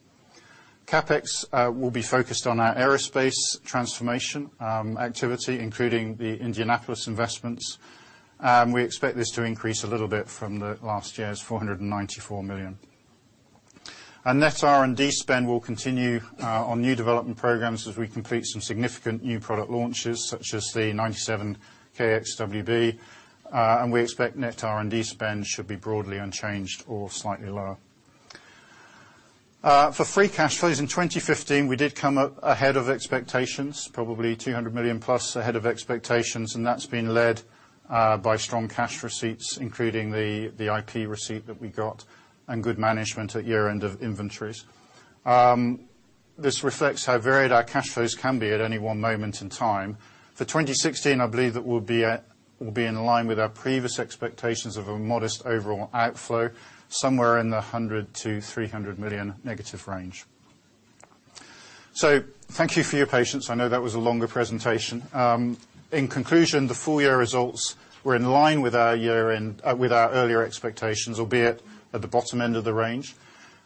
CapEx will be focused on our aerospace transformation activity, including the Indianapolis investments. We expect this to increase a little bit from the last year's 494 million. Net R&D spend will continue on new development programs as we complete some significant new product launches such as the Trent XWB-97. We expect net R&D spend should be broadly unchanged or slightly lower. For free cash flows in 2015, we did come up ahead of expectations, probably 200 million plus ahead of expectations. That's been led by strong cash receipts, including the IP receipt that we got and good management at year-end of inventories. This reflects how varied our cash flows can be at any one moment in time. For 2016, I believe that we'll be in line with our previous expectations of a modest overall outflow, somewhere in the 100 million-300 million negative range. Thank you for your patience. I know that was a longer presentation. In conclusion, the full-year results were in line with our earlier expectations, albeit at the bottom end of the range.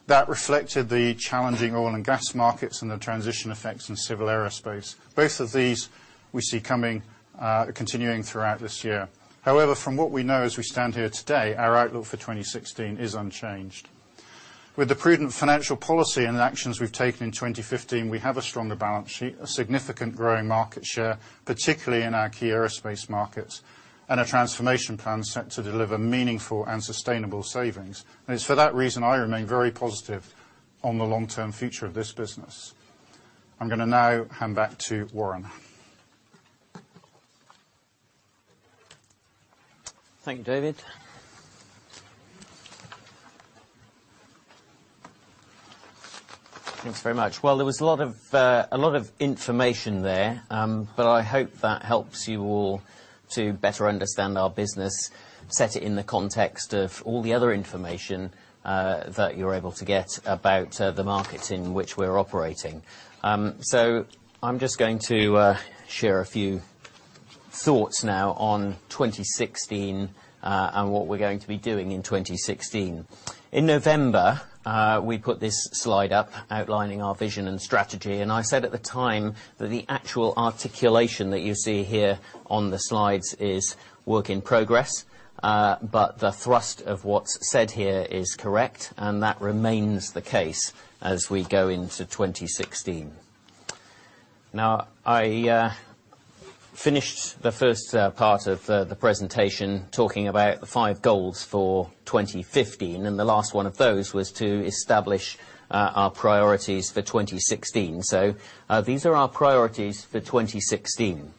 That reflected the challenging oil and gas markets and the transition effects in civil aerospace. Both of these we see continuing throughout this year. However, from what we know as we stand here today, our outlook for 2016 is unchanged. With the prudent financial policy and the actions we've taken in 2015, we have a stronger balance sheet, a significant growing market share, particularly in our key aerospace markets, and a transformation plan set to deliver meaningful and sustainable savings. It's for that reason, I remain very positive on the long-term future of this business. I'm going to now hand back to Warren. Thank you, David. Thanks very much. There was a lot of information there, I hope that helps you all to better understand our business, set it in the context of all the other information that you're able to get about the markets in which we're operating. I'm just going to share a few thoughts now on 2016, what we're going to be doing in 2016. In November, we put this slide up outlining our vision and strategy. I said at the time that the actual articulation that you see here on the slides is work in progress, the thrust of what's said here is correct. That remains the case as we go into 2016. I finished the first part of the presentation talking about the five goals for 2015. The last one of those was to establish our priorities for 2016. These are our priorities for 2016.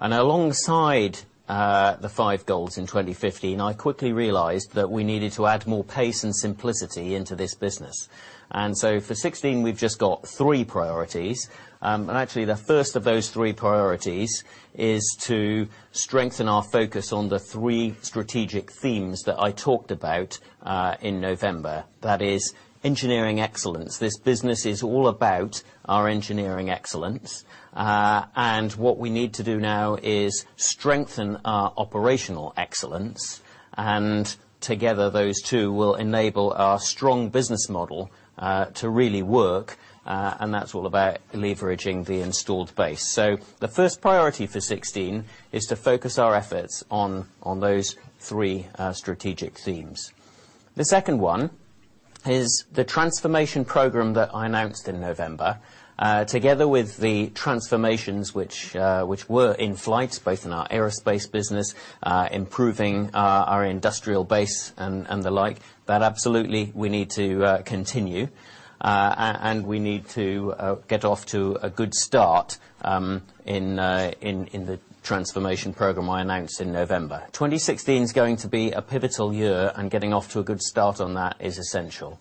Alongside the five goals in 2015, I quickly realized that we needed to add more pace and simplicity into this business. For 2016, we've just got three priorities. Actually, the first of those three priorities is to strengthen our focus on the three strategic themes that I talked about in November. That is engineering excellence. This business is all about our engineering excellence. What we need to do now is strengthen our operational excellence, and together, those two will enable our strong business model to really work, and that's all about leveraging the installed base. The first priority for 2016 is to focus our efforts on those three strategic themes. The second one is the transformation program that I announced in November, together with the transformations which were in flight, both in our aerospace business, improving our industrial base and the like, that absolutely we need to continue. We need to get off to a good start in the transformation program I announced in November. 2016's going to be a pivotal year, and getting off to a good start on that is essential.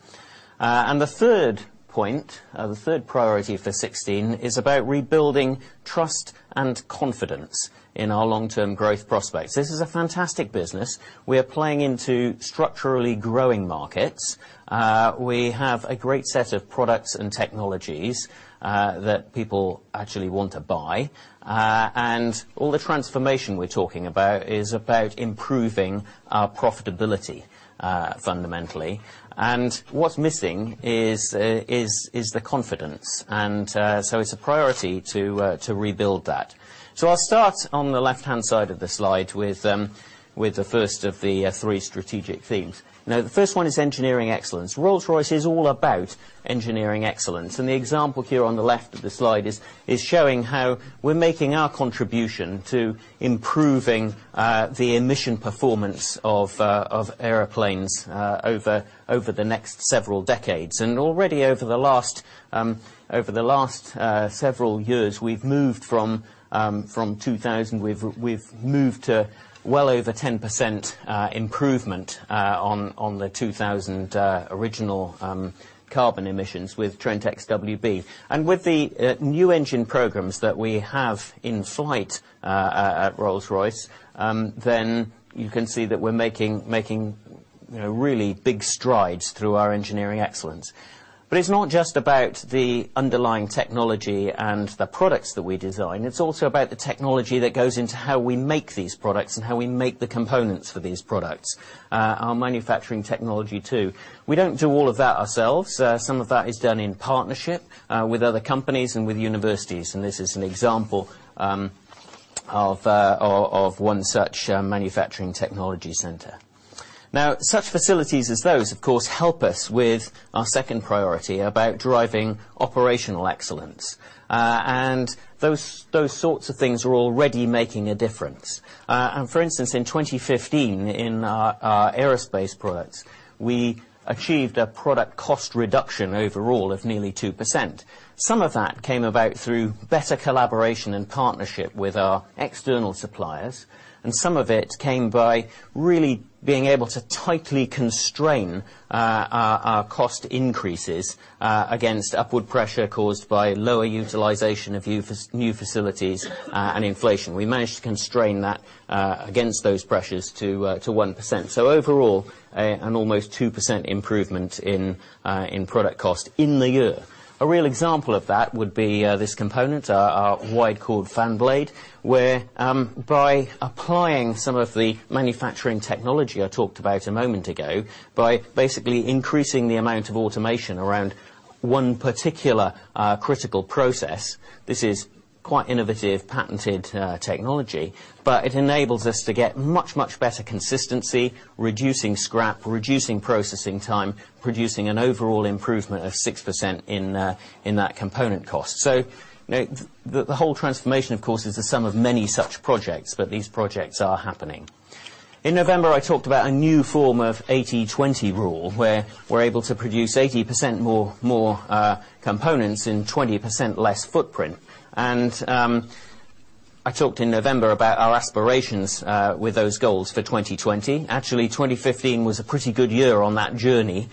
The third point, the third priority for 2016, is about rebuilding trust and confidence in our long-term growth prospects. This is a fantastic business. We are playing into structurally growing markets. We have a great set of products and technologies that people actually want to buy. All the transformation we're talking about is about improving our profitability, fundamentally. What's missing is the confidence, so it's a priority to rebuild that. I'll start on the left-hand side of the slide with the first of the three strategic themes. The first one is engineering excellence. Rolls-Royce is all about engineering excellence, and the example here on the left of the slide is showing how we're making our contribution to improving the emission performance of airplanes over the next several decades. Already over the last several years, we've moved from 2,000, we've moved to well over 10% improvement on the 2,000 original carbon emissions with Trent XWB. With the new engine programs that we have in flight at Rolls-Royce, you can see that we're making really big strides through our engineering excellence. It's not just about the underlying technology and the products that we design, it's also about the technology that goes into how we make these products and how we make the components for these products. Our manufacturing technology, too. We don't do all of that ourselves. Some of that is done in partnership with other companies and with universities, and this is an example of one such manufacturing technology center. Such facilities as those, of course, help us with our second priority about driving operational excellence. Those sorts of things are already making a difference. For instance, in 2015, in our aerospace products, we achieved a product cost reduction overall of nearly 2%. Some of that came about through better collaboration and partnership with our external suppliers, and some of it came by really being able to tightly constrain our cost increases against upward pressure caused by lower utilization of new facilities and inflation. We managed to constrain that against those pressures to 1%. Overall, an almost 2% improvement in product cost in the year. A real example of that would be this component, our wide chord fan blade, where by applying some of the manufacturing technology I talked about a moment ago, by basically increasing the amount of automation around one particular critical process, this is quite innovative, patented technology. It enables us to get much, much better consistency, reducing scrap, reducing processing time, producing an overall improvement of 6% in that component cost. The whole transformation, of course, is the sum of many such projects, but these projects are happening. In November, I talked about a new form of 80/20 rule, where we're able to produce 80% more components in 20% less footprint. I talked in November about our aspirations with those goals for 2020. Actually, 2015 was a pretty good year on that journey.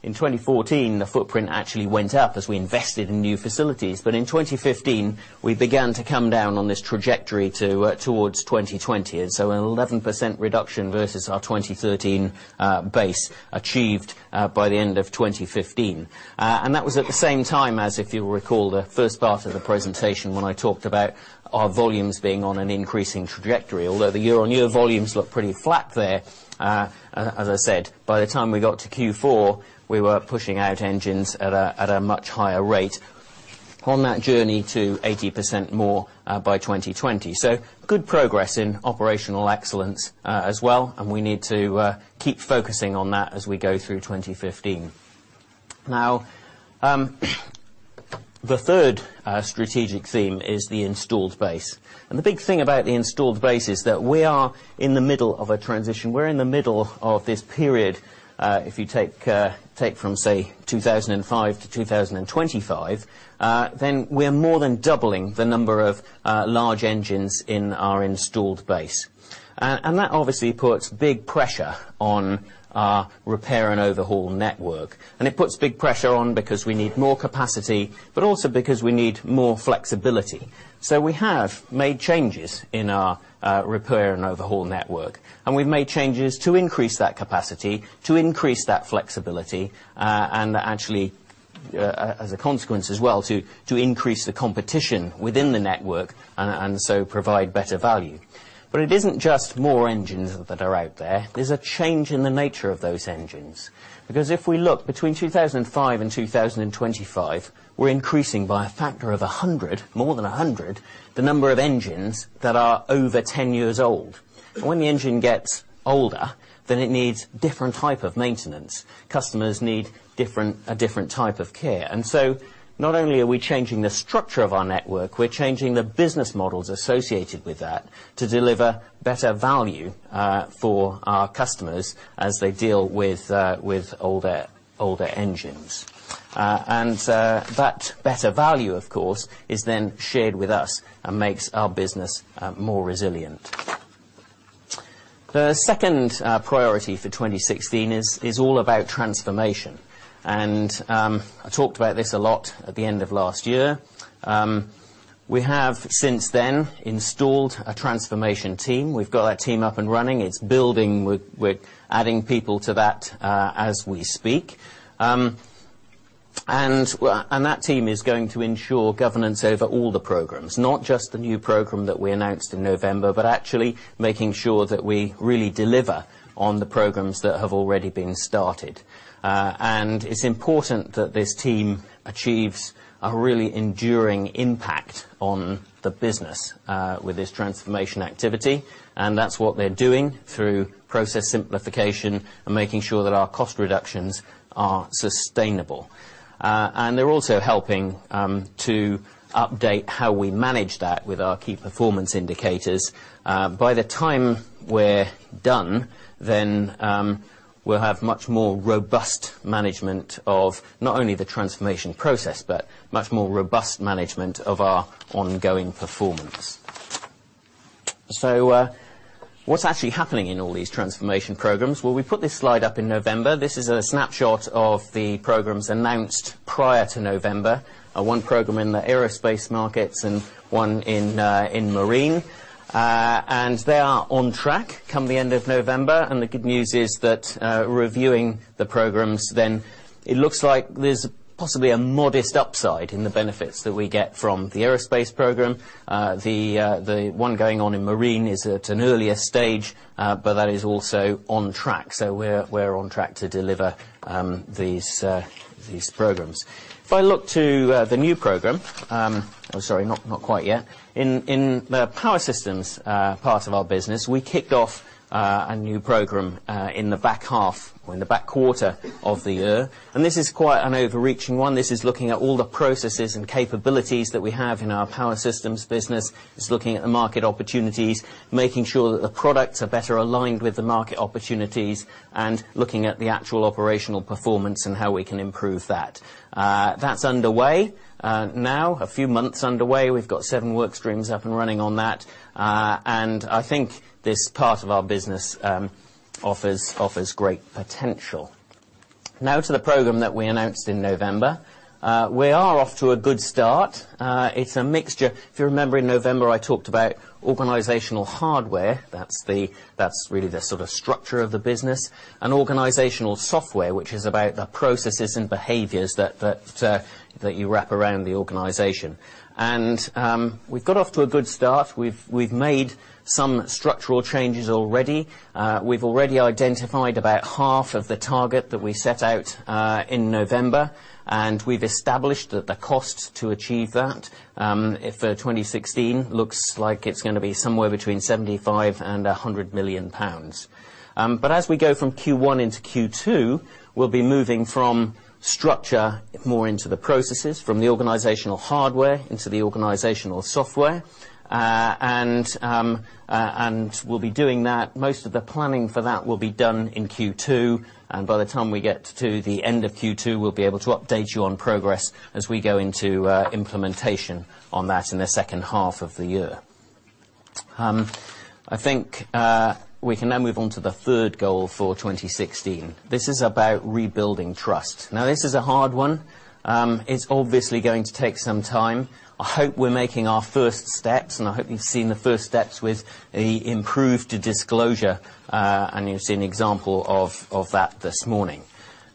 In 2014, the footprint actually went up as we invested in new facilities. In 2015, we began to come down on this trajectory towards 2020. An 11% reduction versus our 2013 base achieved by the end of 2015. That was at the same time as, if you'll recall, the first part of the presentation, when I talked about our volumes being on an increasing trajectory. Although the year-on-year volumes look pretty flat there, as I said, by the time we got to Q4, we were pushing out engines at a much higher rate on that journey to 80% more by 2020. Good progress in operational excellence as well, and we need to keep focusing on that as we go through 2015. Now the third strategic theme is the installed base. The big thing about the installed base is that we are in the middle of a transition. We're in the middle of this period. If you take from, say, 2005 to 2025, then we are more than doubling the number of large engines in our installed base. That obviously puts big pressure on our repair and overhaul network, and it puts big pressure on because we need more capacity, but also because we need more flexibility. We have made changes in our repair and overhaul network, and we've made changes to increase that capacity, to increase that flexibility, and actually, as a consequence as well, to increase the competition within the network and so provide better value. It isn't just more engines that are out there. There's a change in the nature of those engines because if we look between 2005 and 2025, we're increasing by a factor of 100, more than 100, the number of engines that are over 10 years old. When the engine gets older, then it needs different type of maintenance. Customers need a different type of care. Not only are we changing the structure of our network, we're changing the business models associated with that to deliver better value for our customers as they deal with older engines. That better value, of course, is then shared with us and makes our business more resilient. The second priority for 2016 is all about transformation. I talked about this a lot at the end of last year. We have since then installed a transformation team. We've got that team up and running. It's building. We're adding people to that as we speak. That team is going to ensure governance over all the programs, not just the new program that we announced in November, but actually making sure that we really deliver on the programs that have already been started. It's important that this team achieves a really enduring impact on the business with this transformation activity. That's what they're doing through process simplification and making sure that our cost reductions are sustainable. They're also helping to update how we manage that with our key performance indicators. By the time we're done, then we'll have much more robust management of not only the transformation process, but much more robust management of our ongoing performance. What's actually happening in all these transformation programs? Well, we put this slide up in November. This is a snapshot of the programs announced prior to November. One program in the aerospace markets and one in marine. They are on track come the end of November. The good news is reviewing the programs then, it looks like there's possibly a modest upside in the benefits that we get from the aerospace program. The one going on in marine is at an earlier stage, but that is also on track. We're on track to deliver these programs. If I look to the new program I'm sorry, not quite yet. In the Power Systems part of our business, we kicked off a new program in the back half or in the back quarter of the year, and this is quite an overreaching one. This is looking at all the processes and capabilities that we have in our Power Systems business. It's looking at the market opportunities, making sure that the products are better aligned with the market opportunities, and looking at the actual operational performance and how we can improve that. That's underway now, a few months underway. We've got seven work streams up and running on that. I think this part of our business offers great potential. Now to the program that we announced in November. We are off to a good start. It's a mixture. If you remember in November, I talked about organizational hardware. That's really the sort of structure of the business, and organizational software, which is about the processes and behaviors that you wrap around the organization. We've got off to a good start. We've made some structural changes already. We've already identified about half of the target that we set out in November, and we've established that the cost to achieve that, for 2016, looks like it's going to be somewhere between 75 million-100 million pounds. As we go from Q1 into Q2, we'll be moving from structure more into the processes, from the organizational hardware into the organizational software. We'll be doing that. Most of the planning for that will be done in Q2, and by the time we get to the end of Q2, we'll be able to update you on progress as we go into implementation on that in the second half of the year. I think we can then move on to the third goal for 2016. This is about rebuilding trust. Now, this is a hard one. It's obviously going to take some time. I hope we're making our first steps, and I hope you've seen the first steps with the improved disclosure, and you've seen example of that this morning.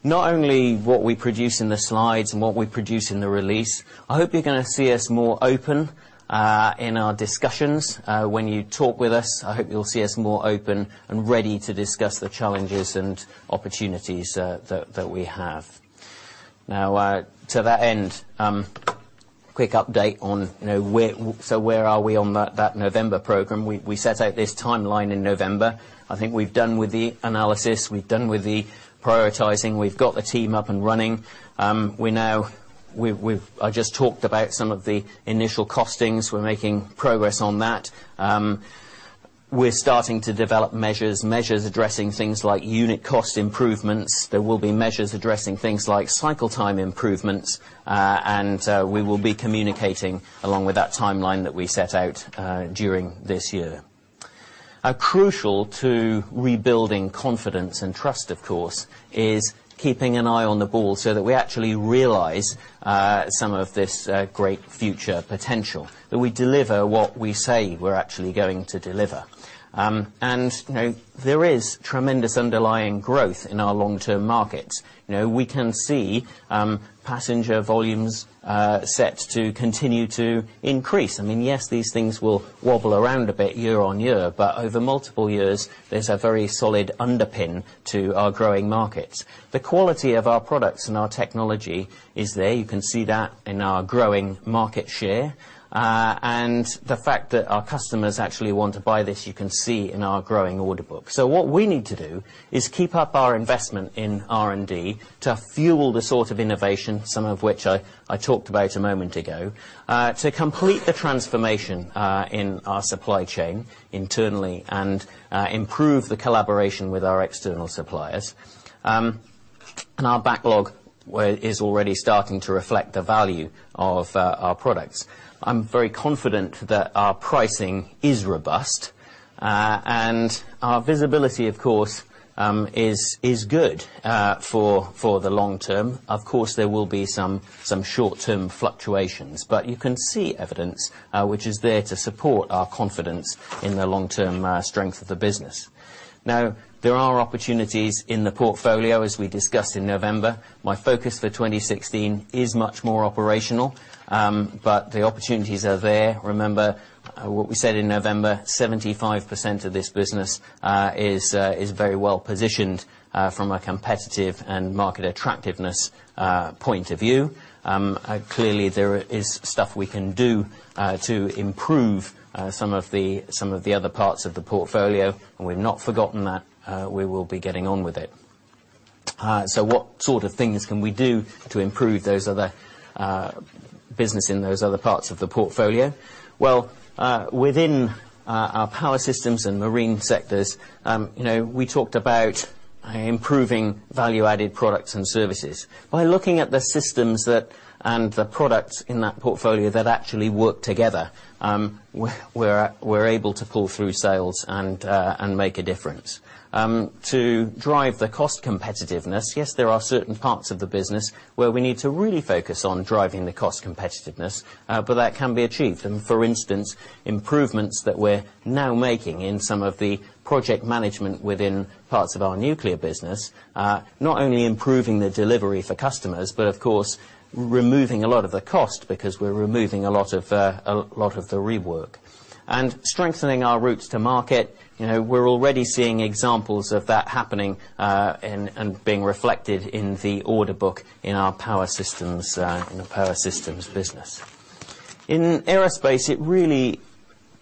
Not only what we produce in the slides and what we produce in the release, I hope you're going to see us more open in our discussions. When you talk with us, I hope you'll see us more open and ready to discuss the challenges and opportunities that we have. To that end Quick update on where are we on that November program. We set out this timeline in November. I think we've done with the analysis, we've done with the prioritizing. We've got the team up and running. I just talked about some of the initial costings. We're making progress on that. We're starting to develop measures addressing things like unit cost improvements. There will be measures addressing things like cycle time improvements, we will be communicating along with that timeline that we set out during this year. Crucial to rebuilding confidence and trust, of course, is keeping an eye on the ball so that we actually realize some of this great future potential, that we deliver what we say we're actually going to deliver. There is tremendous underlying growth in our long-term markets. We can see passenger volumes set to continue to increase. Yes, these things will wobble around a bit year-on-year, over multiple years, there's a very solid underpin to our growing markets. The quality of our products and our technology is there. You can see that in our growing market share. The fact that our customers actually want to buy this, you can see in our growing order book. What we need to do is keep up our investment in R&D to fuel the sort of innovation, some of which I talked about a moment ago, to complete the transformation in our supply chain internally and improve the collaboration with our external suppliers. Our backlog is already starting to reflect the value of our products. I'm very confident that our pricing is robust and our visibility, of course, is good for the long term. Of course, there will be some short-term fluctuations. You can see evidence which is there to support our confidence in the long-term strength of the business. There are opportunities in the portfolio, as we discussed in November. My focus for 2016 is much more operational, the opportunities are there. Remember what we said in November, 75% of this business is very well-positioned from a competitive and market attractiveness point of view. Clearly, there is stuff we can do to improve some of the other parts of the portfolio, we've not forgotten that. We will be getting on with it. What sort of things can we do to improve those other business in those other parts of the portfolio? Well, within our Power Systems and marine sectors, we talked about improving value-added products and services. By looking at the systems that, and the products in that portfolio that actually work together, we're able to pull through sales and make a difference. To drive the cost competitiveness, yes, there are certain parts of the business where we need to really focus on driving the cost competitiveness, that can be achieved. For instance, improvements that we're now making in some of the project management within parts of our nuclear business, not only improving the delivery for customers, but of course, removing a lot of the cost because we're removing a lot of the rework. Strengthening our routes to market. We're already seeing examples of that happening, and being reflected in the order book in our power systems business. In aerospace, it really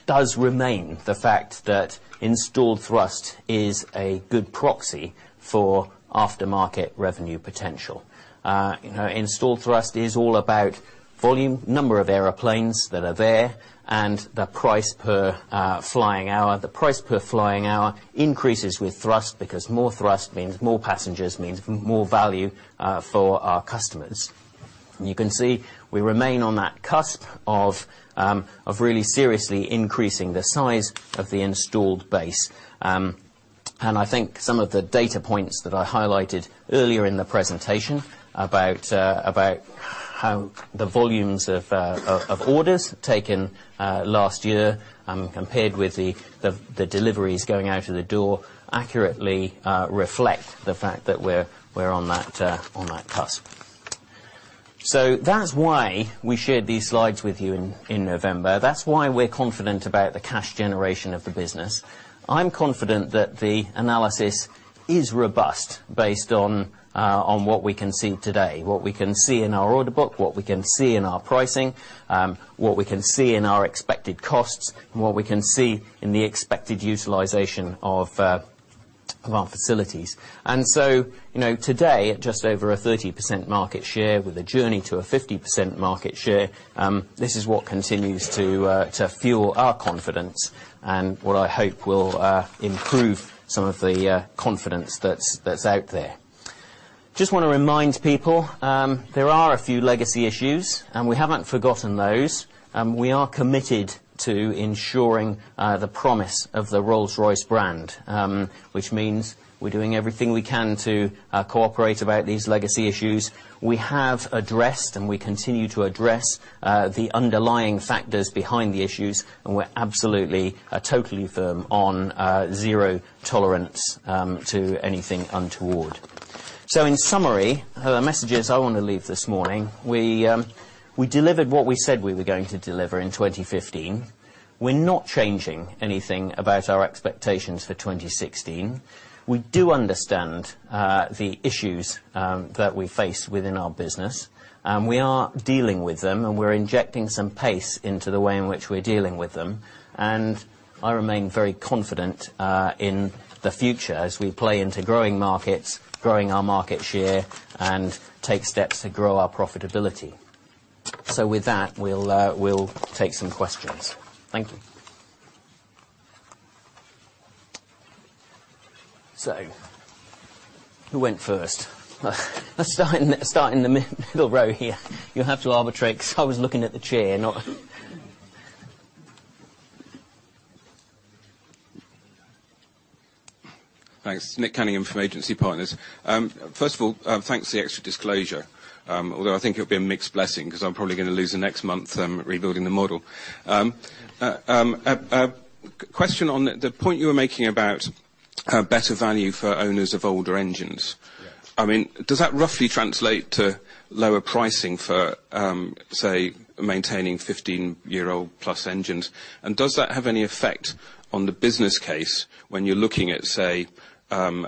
does remain the fact that installed thrust is a good proxy for aftermarket revenue potential. Installed thrust is all about volume, number of airplanes that are there, and the price per flying hour. The price per flying hour increases with thrust because more thrust means more passengers, means more value for our customers. You can see we remain on that cusp of really seriously increasing the size of the installed base. I think some of the data points that I highlighted earlier in the presentation about how the volumes of orders taken last year, compared with the deliveries going out of the door, accurately reflect the fact that we're on that cusp. That's why we shared these slides with you in November. That's why we're confident about the cash generation of the business. I'm confident that the analysis is robust based on what we can see today, what we can see in our order book, what we can see in our pricing, what we can see in our expected costs, and what we can see in the expected utilization of our facilities. Today, at just over a 30% market share with a journey to a 50% market share, this is what continues to fuel our confidence, and what I hope will improve some of the confidence that's out there. Just want to remind people, there are a few legacy issues, and we haven't forgotten those. We are committed to ensuring the promise of the Rolls-Royce brand, which means we're doing everything we can to cooperate about these legacy issues. We have addressed, and we continue to address, the underlying factors behind the issues, and we're absolutely, totally firm on zero tolerance to anything untoward. In summary, the messages I want to leave this morning, we delivered what we said we were going to deliver in 2015. We're not changing anything about our expectations for 2016. We do understand the issues that we face within our business. We are dealing with them, we're injecting some pace into the way in which we're dealing with them. I remain very confident in the future as we play into growing markets, growing our market share, and take steps to grow our profitability. With that, we'll take some questions. Thank you. Who went first? Let's start in the middle row here. You'll have to arbitrate, because I was looking at the chair, not Thanks. Nick Cunningham from Agency Partners. First of all, thanks for the extra disclosure. Although, I think it'll be a mixed blessing, because I'm probably going to lose the next month rebuilding the model. A question on the point you were making about better value for owners of older engines. Yes. Does that roughly translate to lower pricing for, say, maintaining 15-year-old plus engines? Does that have any effect on the business case when you're looking at, say, an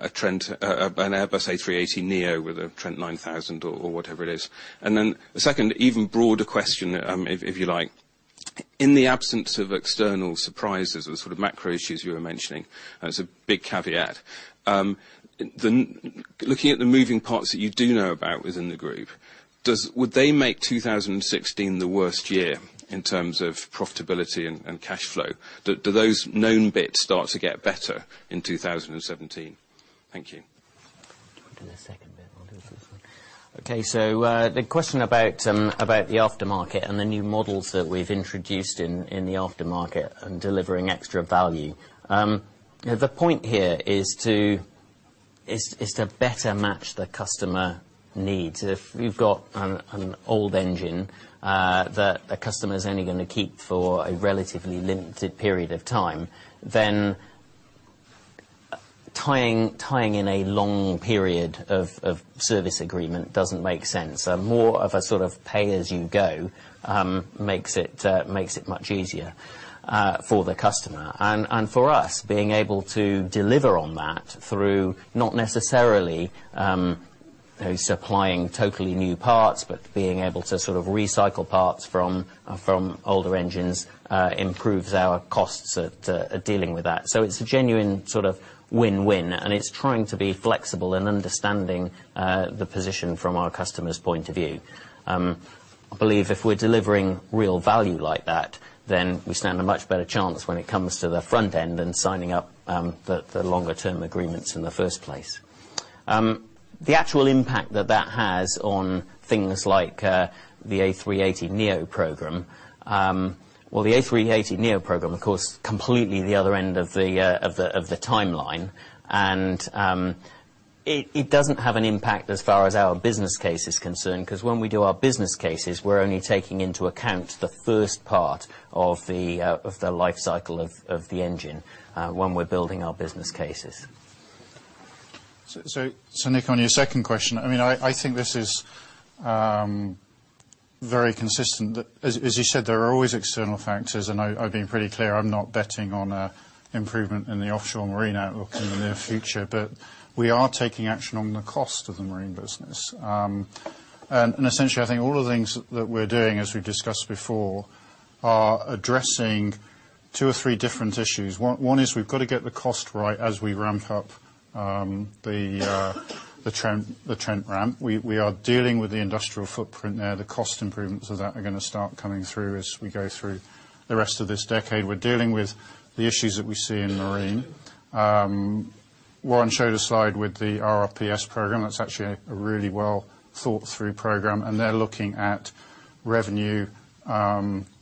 Airbus A380neo with a Trent 900 or whatever it is? The second even broader question, if you like. In the absence of external surprises or sort of macro issues you were mentioning as a big caveat, looking at the moving parts that you do know about within the group, would they make 2016 the worst year in terms of profitability and cash flow? Do those known bits start to get better in 2017? Thank you. Do the second bit. I'll do the first one. Okay. The question about the aftermarket and the new models that we've introduced in the aftermarket and delivering extra value. The point here is to better match the customer needs. If we've got an old engine that a customer's only going to keep for a relatively limited period of time, then tying in a long period of service agreement doesn't make sense. A more of a sort of pay as you go makes it much easier for the customer. For us, being able to deliver on that through not necessarily supplying totally new parts, but being able to sort of recycle parts from older engines, improves our costs at dealing with that. It's a genuine sort of win-win, and it's trying to be flexible and understanding the position from our customer's point of view. I believe if we're delivering real value like that, then we stand a much better chance when it comes to the front end and signing up the longer term agreements in the first place. The actual impact that that has on things like the A380neo program. The A380neo program, of course, completely the other end of the timeline, and it doesn't have an impact as far as our business case is concerned. Because when we do our business cases, we're only taking into account the first part of the life cycle of the engine when we're building our business cases. Nick, on your second question, I think this is very consistent. As you said, there are always external factors. I have been pretty clear I am not betting on an improvement in the offshore marine outlook in the near future. We are taking action on the cost of the Marine business. Essentially, I think all the things that we are doing, as we have discussed before, are addressing two or three different issues. One is we have got to get the cost right as we ramp up the Trent ramp. We are dealing with the industrial footprint there. The cost improvements of that are going to start coming through as we go through the rest of this decade. We are dealing with the issues that we see in marine. Warren showed a slide with the RRPS program. That is actually a really well thought through program, and they are looking at revenue,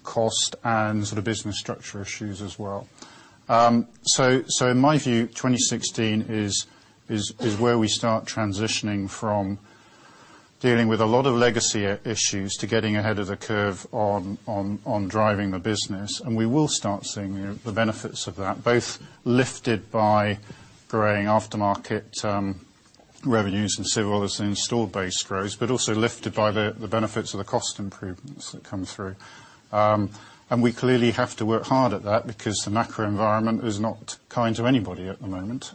cost, and sort of business structure issues as well. In my view, 2016 is where we start transitioning from dealing with a lot of legacy issues to getting ahead of the curve on driving the business. We will start seeing the benefits of that, both lifted by growing aftermarket revenues and civil as the installed base grows, also lifted by the benefits of the cost improvements that come through. We clearly have to work hard at that because the macro environment is not kind to anybody at the moment.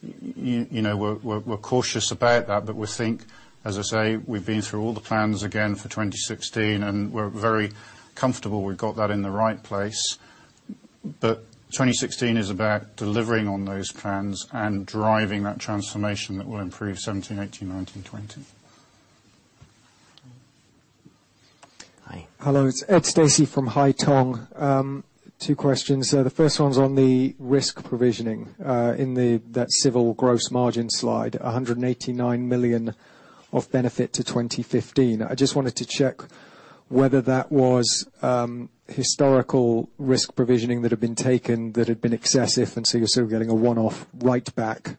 We are cautious about that. We think, as I say, we have been through all the plans again for 2016, and we are very comfortable we have got that in the right place. 2016 is about delivering on those plans and driving that transformation that will improve 2017, 2018, 2019, 2020. Hi. Hello. It is Ed Stacey from Haitong. Two questions. The first one is on the risk provisioning in that civil gross margin slide, 189 million of benefit to 2015. I just wanted to check whether that was historical risk provisioning that had been taken that had been excessive, so you are sort of getting a one-off right back,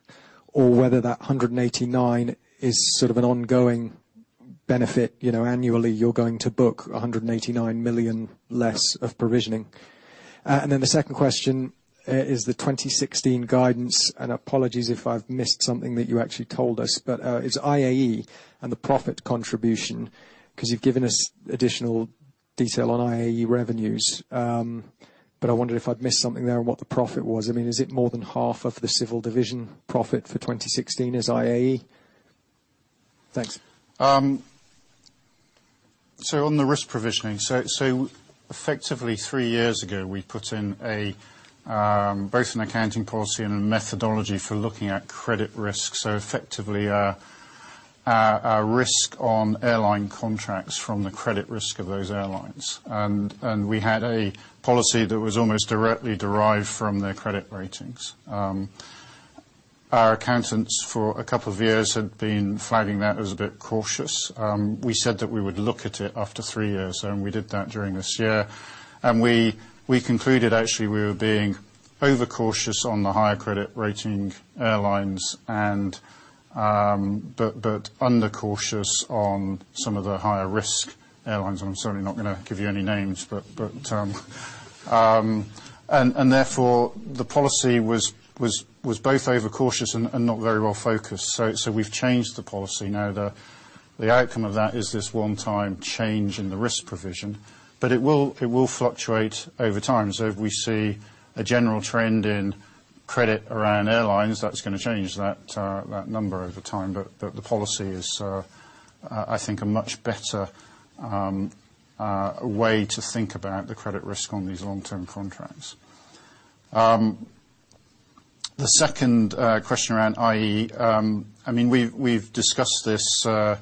or whether that 189 million is sort of an annually, you are going to book 189 million less of provisioning. The second question is the 2016 guidance. Apologies if I have missed something that you actually told us, it is IAE and the profit contribution, because you have given us additional detail on IAE revenues. I wondered if I had missed something there on what the profit was. Is it more than half of the Civil division profit for 2016 is IAE? Thanks. On the risk provisioning, effectively three years ago, we put in both an accounting policy and a methodology for looking at credit risk. Effectively, our risk on airline contracts from the credit risk of those airlines. We had a policy that was almost directly derived from their credit ratings. Our accountants for 2 years had been flagging that as a bit cautious. We said that we would look at it after three years, and we did that during this year. We concluded actually, we were being overcautious on the higher credit rating airlines, but under-cautious on some of the higher risk airlines. I'm certainly not going to give you any names. Therefore, the policy was both overcautious and not very well focused. We've changed the policy. The outcome of that is this one-time change in the risk provision, but it will fluctuate over time. If we see a general trend in credit around airlines, that's going to change that number over time. The policy is, I think, a much better way to think about the credit risk on these long-term contracts. The second question around IAE, we've discussed this a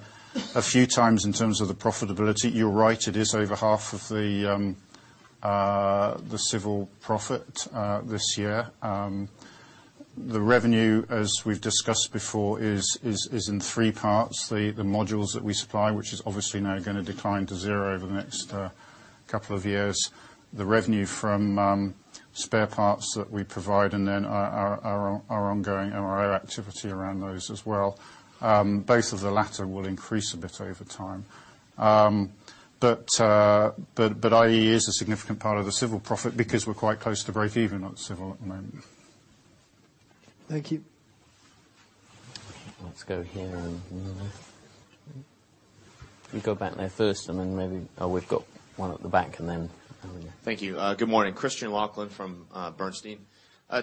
few times in terms of the profitability. You're right, it is over half of the Civil profit this year. The revenue, as we've discussed before, is in three parts. The modules that we supply, which is obviously now going to decline to zero over the next 2 years, the revenue from spare parts that we provide and then our ongoing MRO activity around those as well. Both of the latter will increase a bit over time. IAE is a significant part of the Civil profit because we're quite close to break even on Civil at the moment. Thank you. Let's go here and here. You go back there first, and then maybe we've got one at the back and then Elena. Thank you. Good morning. Christian Laughlin from Bernstein.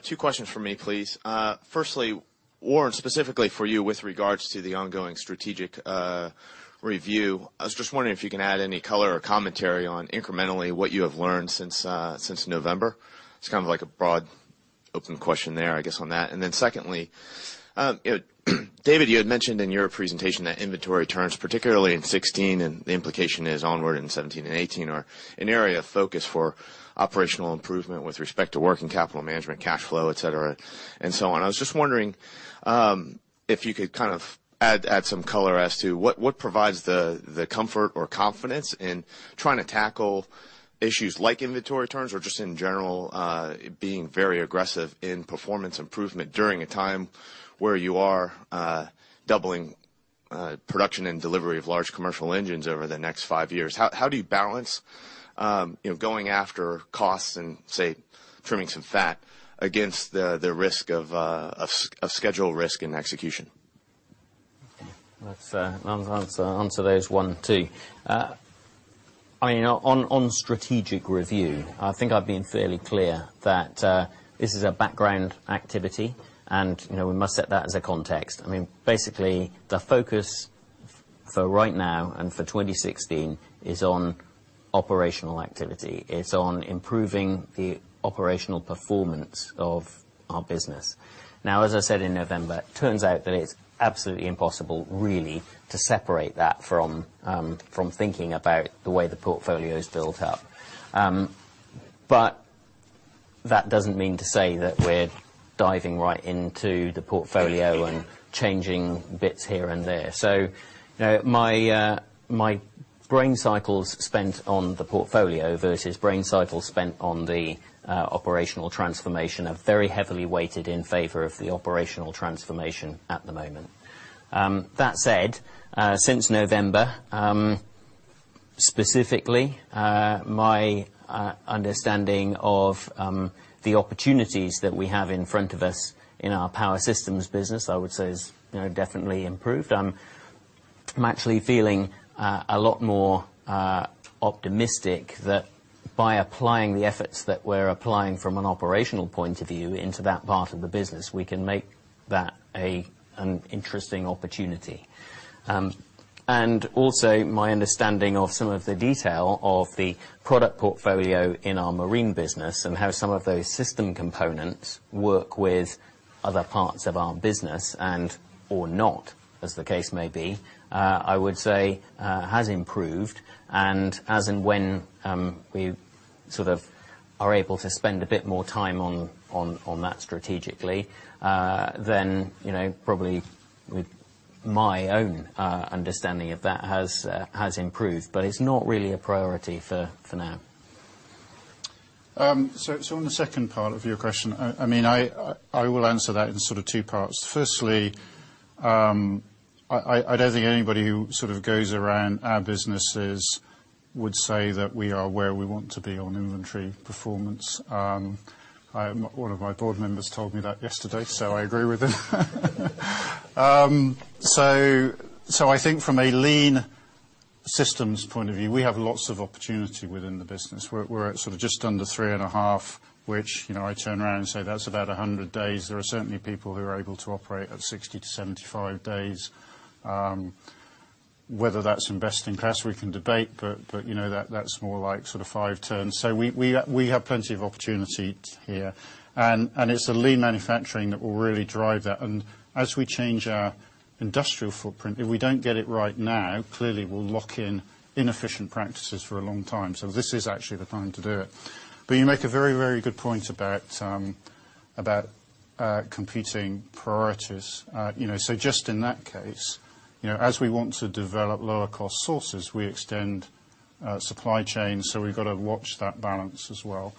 Two questions from me, please. Firstly, Warren, specifically for you with regards to the ongoing strategic review, I was just wondering if you can add any color or commentary on incrementally what you have learned since November. It's kind of like a broad open question there, I guess, on that. Secondly, David, you had mentioned in your presentation that inventory turns, particularly in 2016, and the implication is onward in 2017 and 2018, are an area of focus for operational improvement with respect to working capital management, cash flow, et cetera, and so on. I was just wondering if you could kind of add some color as to what provides the comfort or confidence in trying to tackle issues like inventory turns or just in general being very aggressive in performance improvement during a time where you are doubling production and delivery of large commercial engines over the next five years. How do you balance going after costs and, say, trimming some fat against the risk of schedule risk and execution? I'll answer those one, two. On strategic review, I think I've been fairly clear that this is a background activity. We must set that as a context. Basically, the focus for right now and for 2016 is on operational activity. It's on improving the operational performance of our business. Now, as I said in November, turns out that it's absolutely impossible, really, to separate that from thinking about the way the portfolio is built up. That doesn't mean to say that we're diving right into the portfolio and changing bits here and there. My brain cycles spent on the portfolio versus brain cycles spent on the operational transformation are very heavily weighted in favor of the operational transformation at the moment. That said, since November, specifically, my understanding of the opportunities that we have in front of us in our Power Systems business, I would say, has definitely improved. I'm actually feeling a lot more optimistic that by applying the efforts that we're applying from an operational point of view into that part of the business, we can make that an interesting opportunity. Also, my understanding of some of the detail of the product portfolio in our Marine business and how some of those system components work with other parts of our business and/or not, as the case may be, I would say, has improved. As and when we sort of are able to spend a bit more time on that strategically, then probably my own understanding of that has improved. It's not really a priority for now. On the second part of your question, I will answer that in two parts. Firstly, I don't think anybody who goes around our businesses would say that we are where we want to be on inventory performance. One of my board members told me that yesterday, I agree with him. I think from a lean systems point of view, we have lots of opportunity within the business. We're at just under 3.5, which I turn around and say that's about 100 days. There are certainly people who are able to operate at 60-75 days. Whether that's investing cash, we can debate, but that's more like five turns. We have plenty of opportunity here, and it's the lean manufacturing that will really drive that. As we change our industrial footprint, if we don't get it right now, clearly we'll lock in inefficient practices for a long time. This is actually the time to do it. You make a very good point about competing priorities. Just in that case, as we want to develop lower cost sources, we extend supply chain, so we've got to watch that balance as well.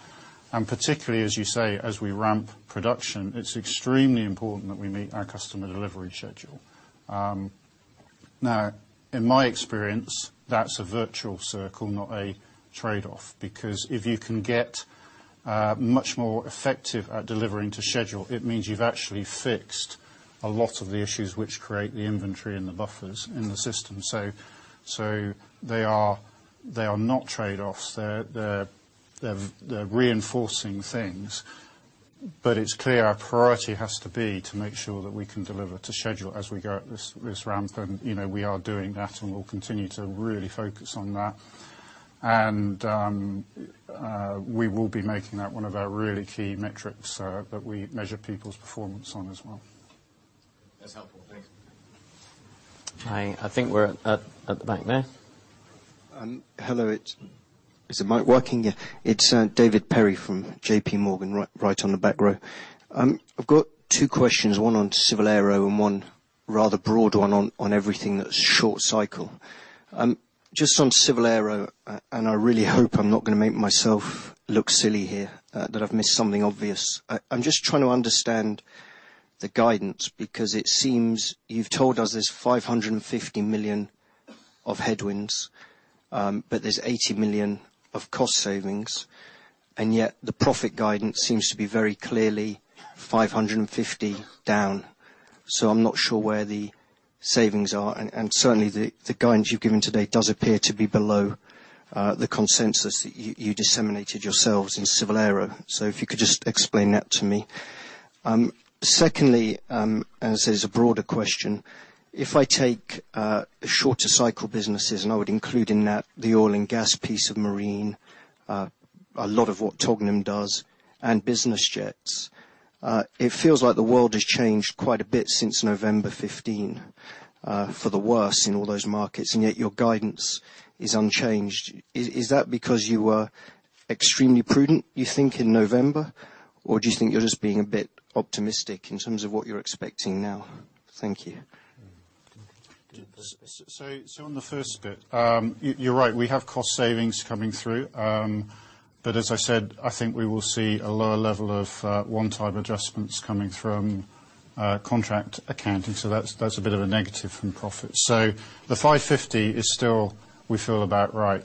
Particularly, as you say, as we ramp production, it's extremely important that we meet our customer delivery schedule. Now, in my experience, that's a virtual circle, not a trade-off, because if you can get much more effective at delivering to schedule, it means you've actually fixed a lot of the issues which create the inventory and the buffers in the system. They are not trade-offs. They're reinforcing things. It's clear our priority has to be to make sure that we can deliver to schedule as we go at this ramp. We are doing that, and we'll continue to really focus on that. We will be making that one of our really key metrics that we measure people's performance on as well. That's helpful. Thank you. I think we're at the back there. Hello. Is the mic working? Yeah. It's David Perry from JPMorgan, right on the back row. I've got two questions, one on Civil Aero and one rather broad one on everything that's short cycle. Just on Civil Aero, and I really hope I'm not going to make myself look silly here, that I've missed something obvious. I'm just trying to understand the guidance because it seems you've told us there's 550 million of headwinds, but there's 80 million of cost savings, and yet the profit guidance seems to be very clearly 550 down. I'm not sure where the savings are, and certainly the guidance you've given today does appear to be below the consensus that you disseminated yourselves in Civil Aero. If you could just explain that to me. Secondly, as is a broader question, if I take shorter cycle businesses, and I would include in that the oil and gas piece of marine, a lot of what Tognum does, and business jets. It feels like the world has changed quite a bit since November 15 for the worse in all those markets, and yet your guidance is unchanged. Is that because you were extremely prudent, you think, in November, or do you think you're just being a bit optimistic in terms of what you're expecting now? Thank you. On the first bit, you're right, we have cost savings coming through. As I said, I think we will see a lower level of one-time adjustments coming from contract accounting. That's a bit of a negative from profit. The 550 is still, we feel about right.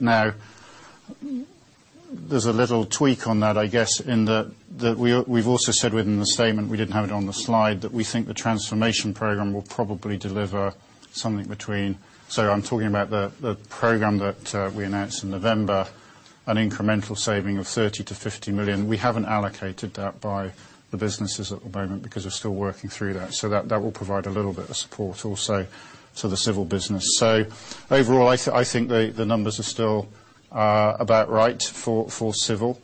There's a little tweak on that, I guess, in that we've also said within the statement, we didn't have it on the slide, that we think the Transformation program will probably deliver something between, so I'm talking about the program that we announced in November, an incremental saving of 30 million-50 million. We haven't allocated that by the businesses at the moment because we're still working through that. That will provide a little bit of support also to the Civil business. Overall, I think the numbers are still about right for Civil.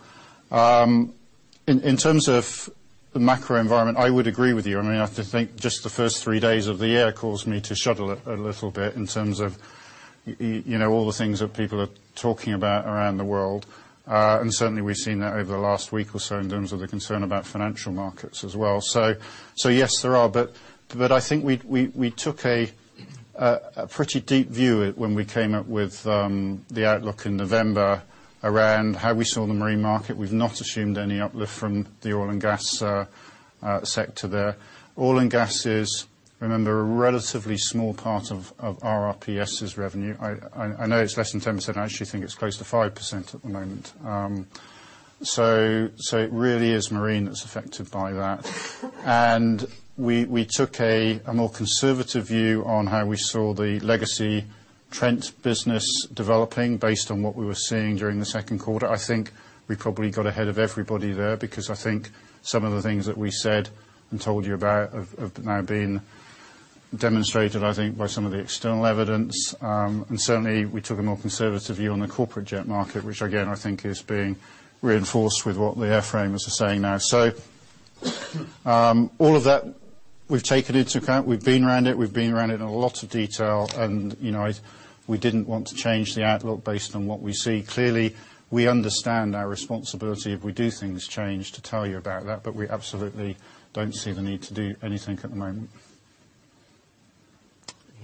In terms of the macro environment, I would agree with you. I have to think just the first three days of the year caused me to shudder a little bit in terms of all the things that people are talking about around the world. Certainly, we've seen that over the last week or so in terms of the concern about financial markets as well. Yes, there are. I think we took a pretty deep view when we came up with the outlook in November around how we saw the Marine market. We've not assumed any uplift from the Oil and Gas sector there. Oil and Gas is, remember, a relatively small part of RRPS's revenue. I know it's less than 10%, I actually think it's close to 5% at the moment. It really is Marine that's affected by that. We took a more conservative view on how we saw the legacy Trent business developing based on what we were seeing during the second quarter. I think we probably got ahead of everybody there because I think some of the things that we said and told you about have now been demonstrated, I think, by some of the external evidence. Certainly, we took a more conservative view on the corporate jet market, which again, I think is being reinforced with what the airframers are saying now. All of that we've taken into account. We've been around it, we've been around it in a lot of detail, and we didn't want to change the outlook based on what we see. Clearly, we understand our responsibility if we do things change to tell you about that, but we absolutely don't see the need to do anything at the moment.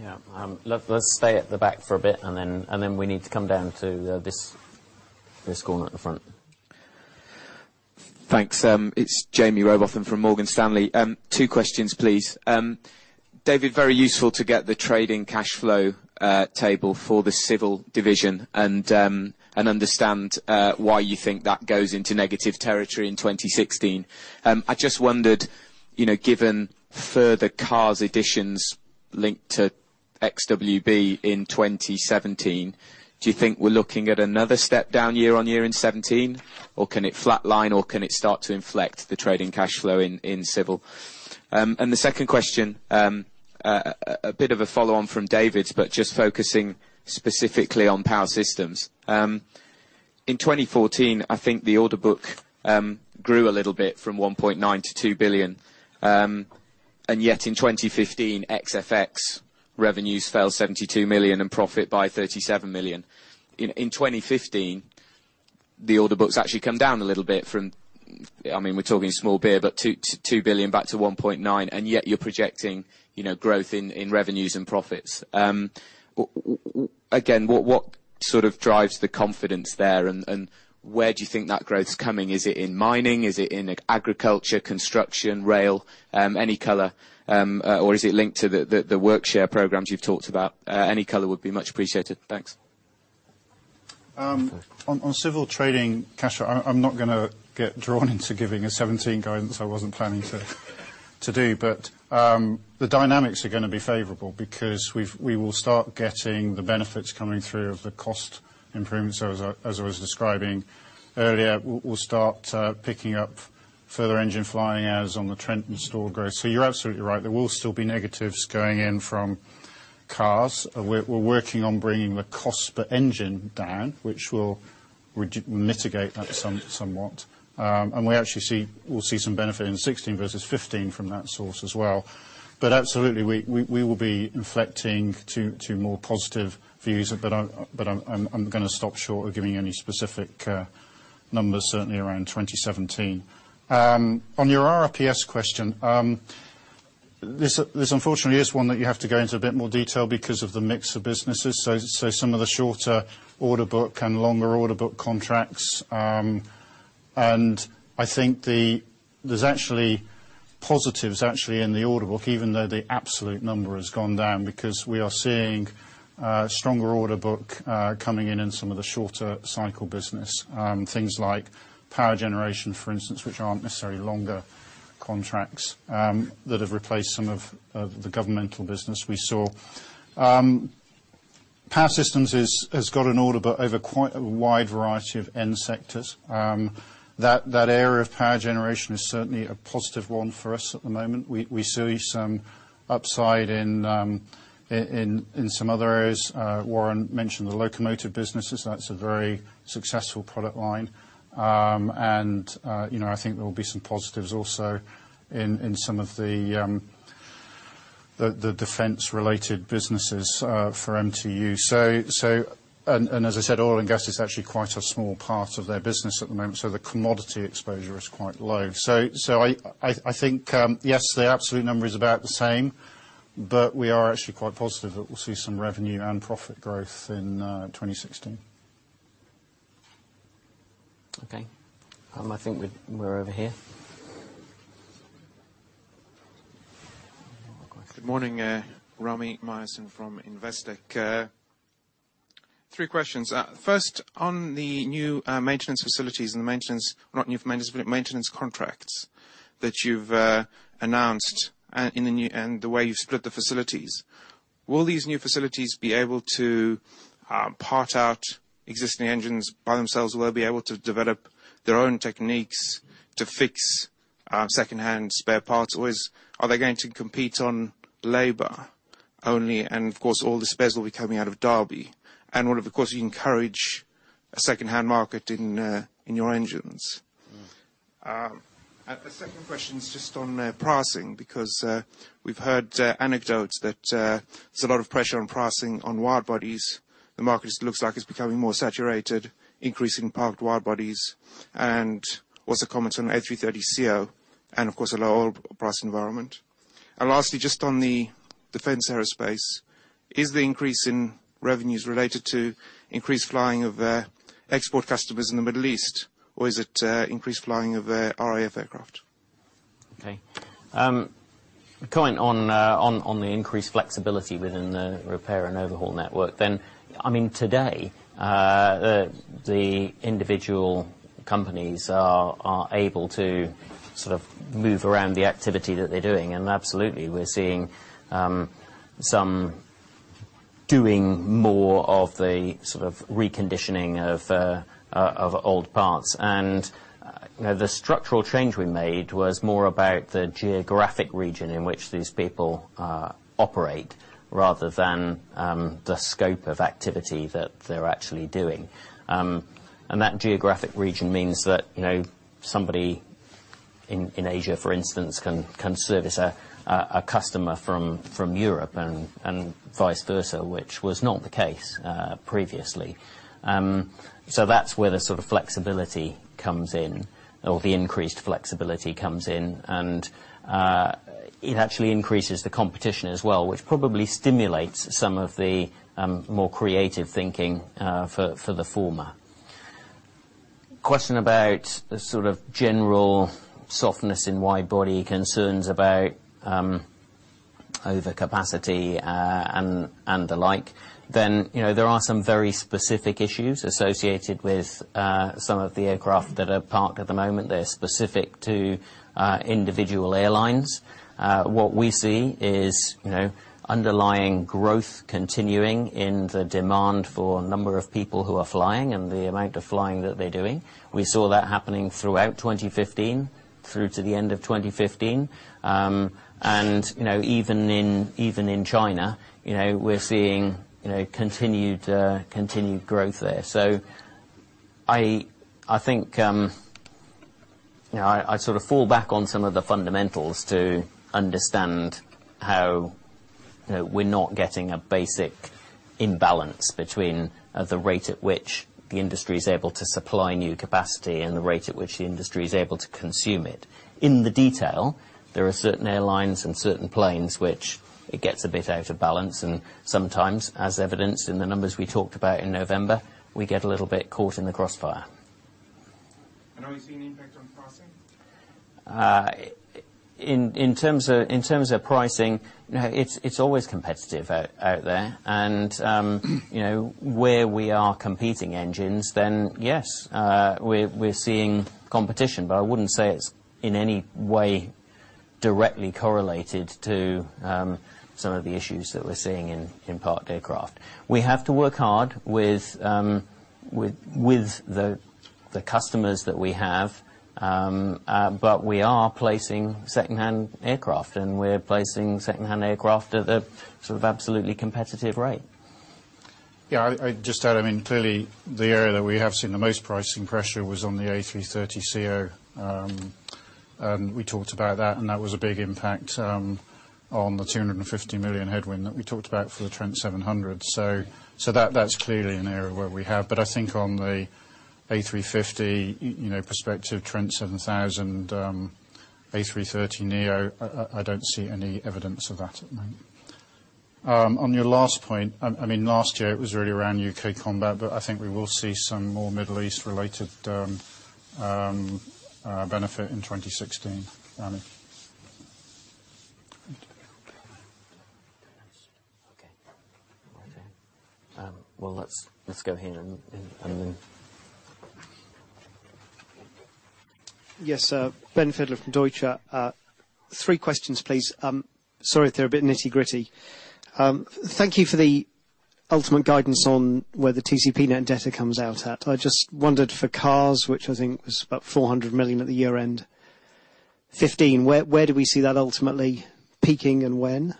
Yeah. Let's stay at the back for a bit, and then we need to come down to this corner at the front. Thanks. It is Jamie Robathan from Morgan Stanley. Two questions, please. David, very useful to get the trading cash flow table for the Civil division and understand why you think that goes into negative territory in 2016. I just wondered, given further CARS additions linked to Trent XWB in 2017, do you think we are looking at another step down year-on-year in 2017? Can it flatline or can it start to inflect the trading cash flow in Civil? The second question, a bit of a follow-on from David's, but just focusing specifically on power systems. In 2014, I think the order book grew a little bit from 1.9 billion to 2 billion. Yet in 2015, FX revenues fell 72 million and profit by 37 million. In 2015, the order books actually come down a little bit from We are talking small beer, but 2 billion back to 1.9 billion, yet you are projecting growth in revenues and profits. What sort of drives the confidence there, and where do you think that growth is coming? Is it in mining? Is it in agriculture, construction, rail, any color? Is it linked to the work share programs you have talked about? Any color would be much appreciated. Thanks. On Civil trading cash flow, I am not going to get drawn into giving a 2017 guidance I was not planning to do. The dynamics are going to be favorable because we will start getting the benefits coming through of the cost improvements. As I was describing earlier, we will start picking up further engine flying hours on the Trent install growth. You are absolutely right. There will still be negatives going in from CARS. We are working on bringing the cost per engine down, which will mitigate that somewhat. We actually will see some benefit in 2016 versus 2015 from that source as well. Absolutely, we will be inflecting to more positive views, but I am going to stop short of giving any specific numbers, certainly around 2017. On your RRPS question, this unfortunately is one that you have to go into a bit more detail because of the mix of businesses. Some of the shorter order book and longer order book contracts. I think there is actually positives actually in the order book, even though the absolute number has gone down because we are seeing a stronger order book coming in in some of the shorter cycle business. Things like power generation, for instance, which are not necessarily longer contracts, that have replaced some of the governmental business we saw. Power Systems has got an order book over quite a wide variety of end sectors. That area of power generation is certainly a positive one for us at the moment. We see some upside in some other areas. Warren mentioned the locomotive businesses. That is a very successful product line. I think there will be some positives also in some of the defense-related businesses for MTU. As I said, oil and gas is actually quite a small part of their business at the moment, so the commodity exposure is quite low. I think, yes, the absolute number is about the same, but we are actually quite positive that we'll see some revenue and profit growth in 2016. Okay. I think we're over here. Good morning. Rami Myerson from Investec. Three questions. First, on the new maintenance facilities and the maintenance, not new facilities, maintenance contracts that you've announced and the way you've split the facilities. Will these new facilities be able to part out existing engines by themselves? Will they be able to develop their own techniques to fix secondhand spare parts? Or are they going to compete on labor only and of course, all the spares will be coming out of Derby? Will, of course, you encourage a secondhand market in your engines? A second question is just on pricing, because we've heard anecdotes that there's a lot of pressure on pricing on wide-bodies. The market looks like it's becoming more saturated, increasing parked wide-bodies, and also comments on A330ceo, and of course, a low price environment. Lastly, just on the defense aerospace, is the increase in revenues related to increased flying of export customers in the Middle East? Or is it increased flying of RAF aircraft? Okay. A comment on the increased flexibility within the repair and overhaul network, today, the individual companies are able to sort of move around the activity that they're doing, absolutely, we're seeing some doing more of the reconditioning of old parts. The structural change we made was more about the geographic region in which these people operate rather than the scope of activity that they're actually doing. That geographic region means that somebody in Asia, for instance, can service a customer from Europe and vice versa, which was not the case previously. That's where the sort of flexibility comes in or the increased flexibility comes in, it actually increases the competition as well, which probably stimulates some of the more creative thinking for the former Question about the sort of general softness in wide-body concerns about overcapacity and the like. There are some very specific issues associated with some of the aircraft that are parked at the moment. They're specific to individual airlines. What we see is underlying growth continuing in the demand for number of people who are flying and the amount of flying that they're doing. We saw that happening throughout 2015, through to the end of 2015. Even in China, we're seeing continued growth there. I think, I sort of fall back on some of the fundamentals to understand how we're not getting a basic imbalance between the rate at which the industry is able to supply new capacity and the rate at which the industry is able to consume it. In the detail, there are certain airlines and certain planes which it gets a bit out of balance, sometimes, as evidenced in the numbers we talked about in November, we get a little bit caught in the crossfire. Are you seeing impact on pricing? In terms of pricing, it's always competitive out there. Where we are competing engines, yes, we're seeing competition, I wouldn't say it's in any way directly correlated to some of the issues that we're seeing in parked aircraft. We have to work hard with the customers that we have, we are placing secondhand aircraft, and we're placing secondhand aircraft at a sort of absolutely competitive rate. Yeah, I just add, clearly, the area that we have seen the most pricing pressure was on the A330ceo. We talked about that was a big impact on the 250 million headwind that we talked about for the Trent 700. That's clearly an area where we have. I think on the A350 perspective, Trent 7000, A330neo, I don't see any evidence of that at the moment. On your last point, last year it was really around U.K. combat, I think we will see some more Middle East-related benefit in 2016. Annie? Okay. Well, let's go here and then- Yes. Ben Fidler from Deutsche. Three questions, please. Sorry if they're a bit nitty-gritty. Thank you for the ultimate guidance on where the TCP net debtor comes out at. I just wondered for CARS, which I think was about 400 million at the year-end 2015, where do we see that ultimately peaking and when?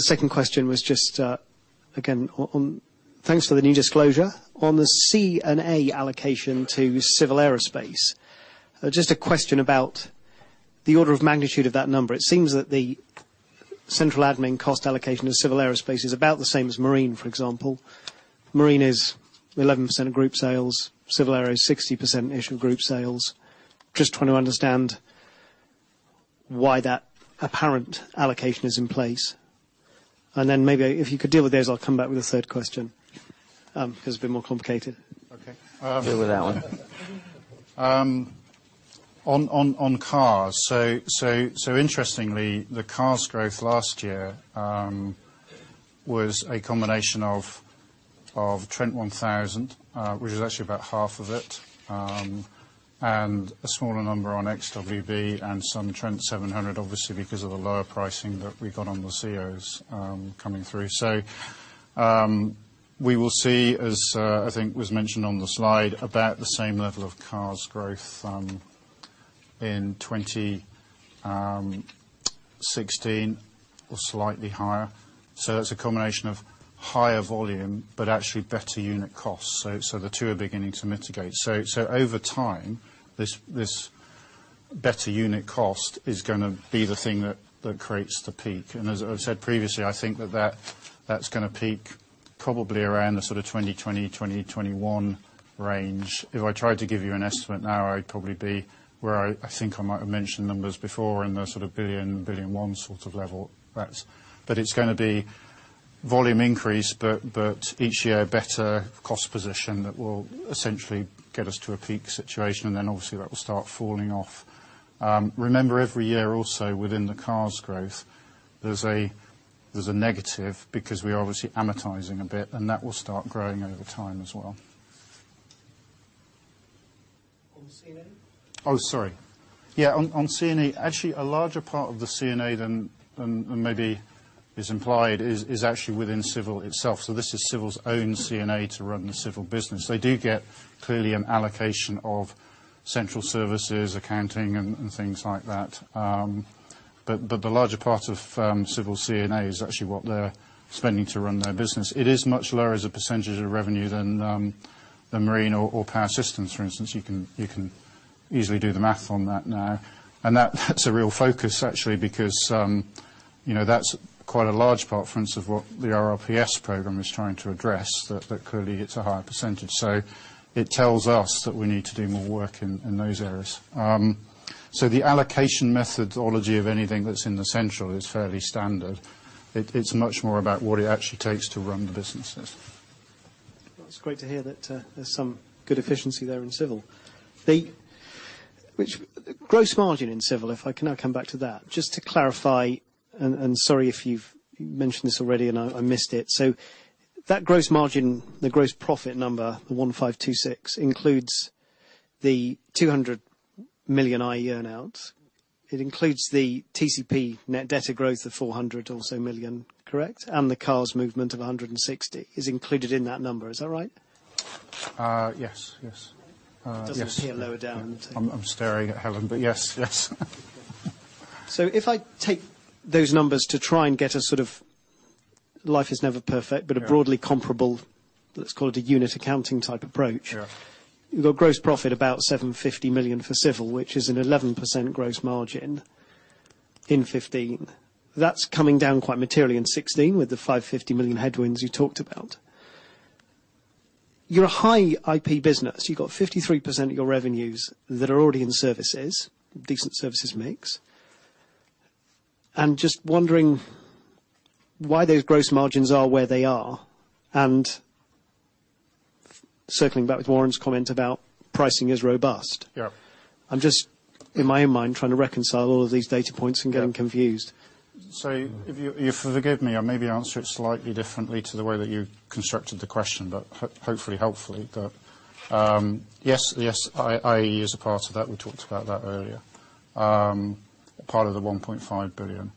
Second question was just, again, thanks for the new disclosure. On the G&A allocation to Civil Aerospace, just a question about the order of magnitude of that number. It seems that the central admin cost allocation of Civil Aerospace is about the same as marine, for example. Marine is 11% of group sales. Civil aero is 60% issue of group sales. Just trying to understand why that apparent allocation is in place. maybe if you could deal with those, I'll come back with a third question, because it's a bit more complicated. Okay. Deal with that one. On CARS. Interestingly, the CARS growth last year was a combination of Trent 1000, which was actually about half of it, and a smaller number on XWB and some Trent 700, obviously, because of the lower pricing that we got on the ceos coming through. We will see as, I think, was mentioned on the slide, about the same level of CARS growth in 2016 or slightly higher. That's a combination of higher volume, but actually better unit costs. The two are beginning to mitigate. Over time, this better unit cost is going to be the thing that creates the peak. As I've said previously, I think that that's going to peak probably around the sort of 2020, 2021 range. If I tried to give you an estimate now, I'd probably be where I think I might have mentioned numbers before in the sort of 1 billion, 1 billion one sort of level. It's going to be volume increase, but each year, better cost position that will essentially get us to a peak situation, then obviously that will start falling off. Remember every year also within the CARS growth, there's a negative because we're obviously amortizing a bit, and that will start growing over time as well. On G&A? Sorry. On G&A, actually, a larger part of the G&A than maybe is implied is actually within civil itself. This is civil's own G&A to run the civil business. They do get clearly an allocation of central services, accounting and things like that. The larger part of civil G&A is actually what they're spending to run their business. It is much lower as a percentage of revenue than the marine or power systems, for instance. You can easily do the math on that now. That's a real focus actually because that's quite a large part, for instance, of what the RRPS program is trying to address, that clearly it's a higher percentage. It tells us that we need to do more work in those areas. The allocation methodology of anything that's in the central is fairly standard. It's much more about what it actually takes to run the businesses. Well, it's great to hear that there's some good efficiency there in Civil. Gross margin in Civil, if I can now come back to that. Just to clarify, sorry if you've mentioned this already and I missed it. That gross margin, the gross profit number, the 1,526, includes the 200 million IAE earn-outs. It includes the TCP net debtor growth of 400 or so million. Correct? The CARS movement of 160 is included in that number. Is that right? Yes. It doesn't appear lower down. I'm staring at Helen, yes. if I take those numbers to try and get a sort of, life is never perfect. Yeah a broadly comparable, let's call it a unit accounting type approach. Yeah. Your gross profit about 750 million for Civil, which is an 11% gross margin in 2015. That's coming down quite materially in 2016 with the 550 million headwinds you talked about. You're a high IP business. You've got 53% of your revenues that are already in services, decent services mix. I'm just wondering why those gross margins are where they are. Circling back with Warren's comment about pricing is robust. Yeah. I'm just, in my own mind, trying to reconcile all of these data points and getting confused. If you forgive me, I maybe answer it slightly differently to the way that you constructed the question, hopefully. Yes, IAE is a part of that. We talked about that earlier. Part of the 1.5 billion.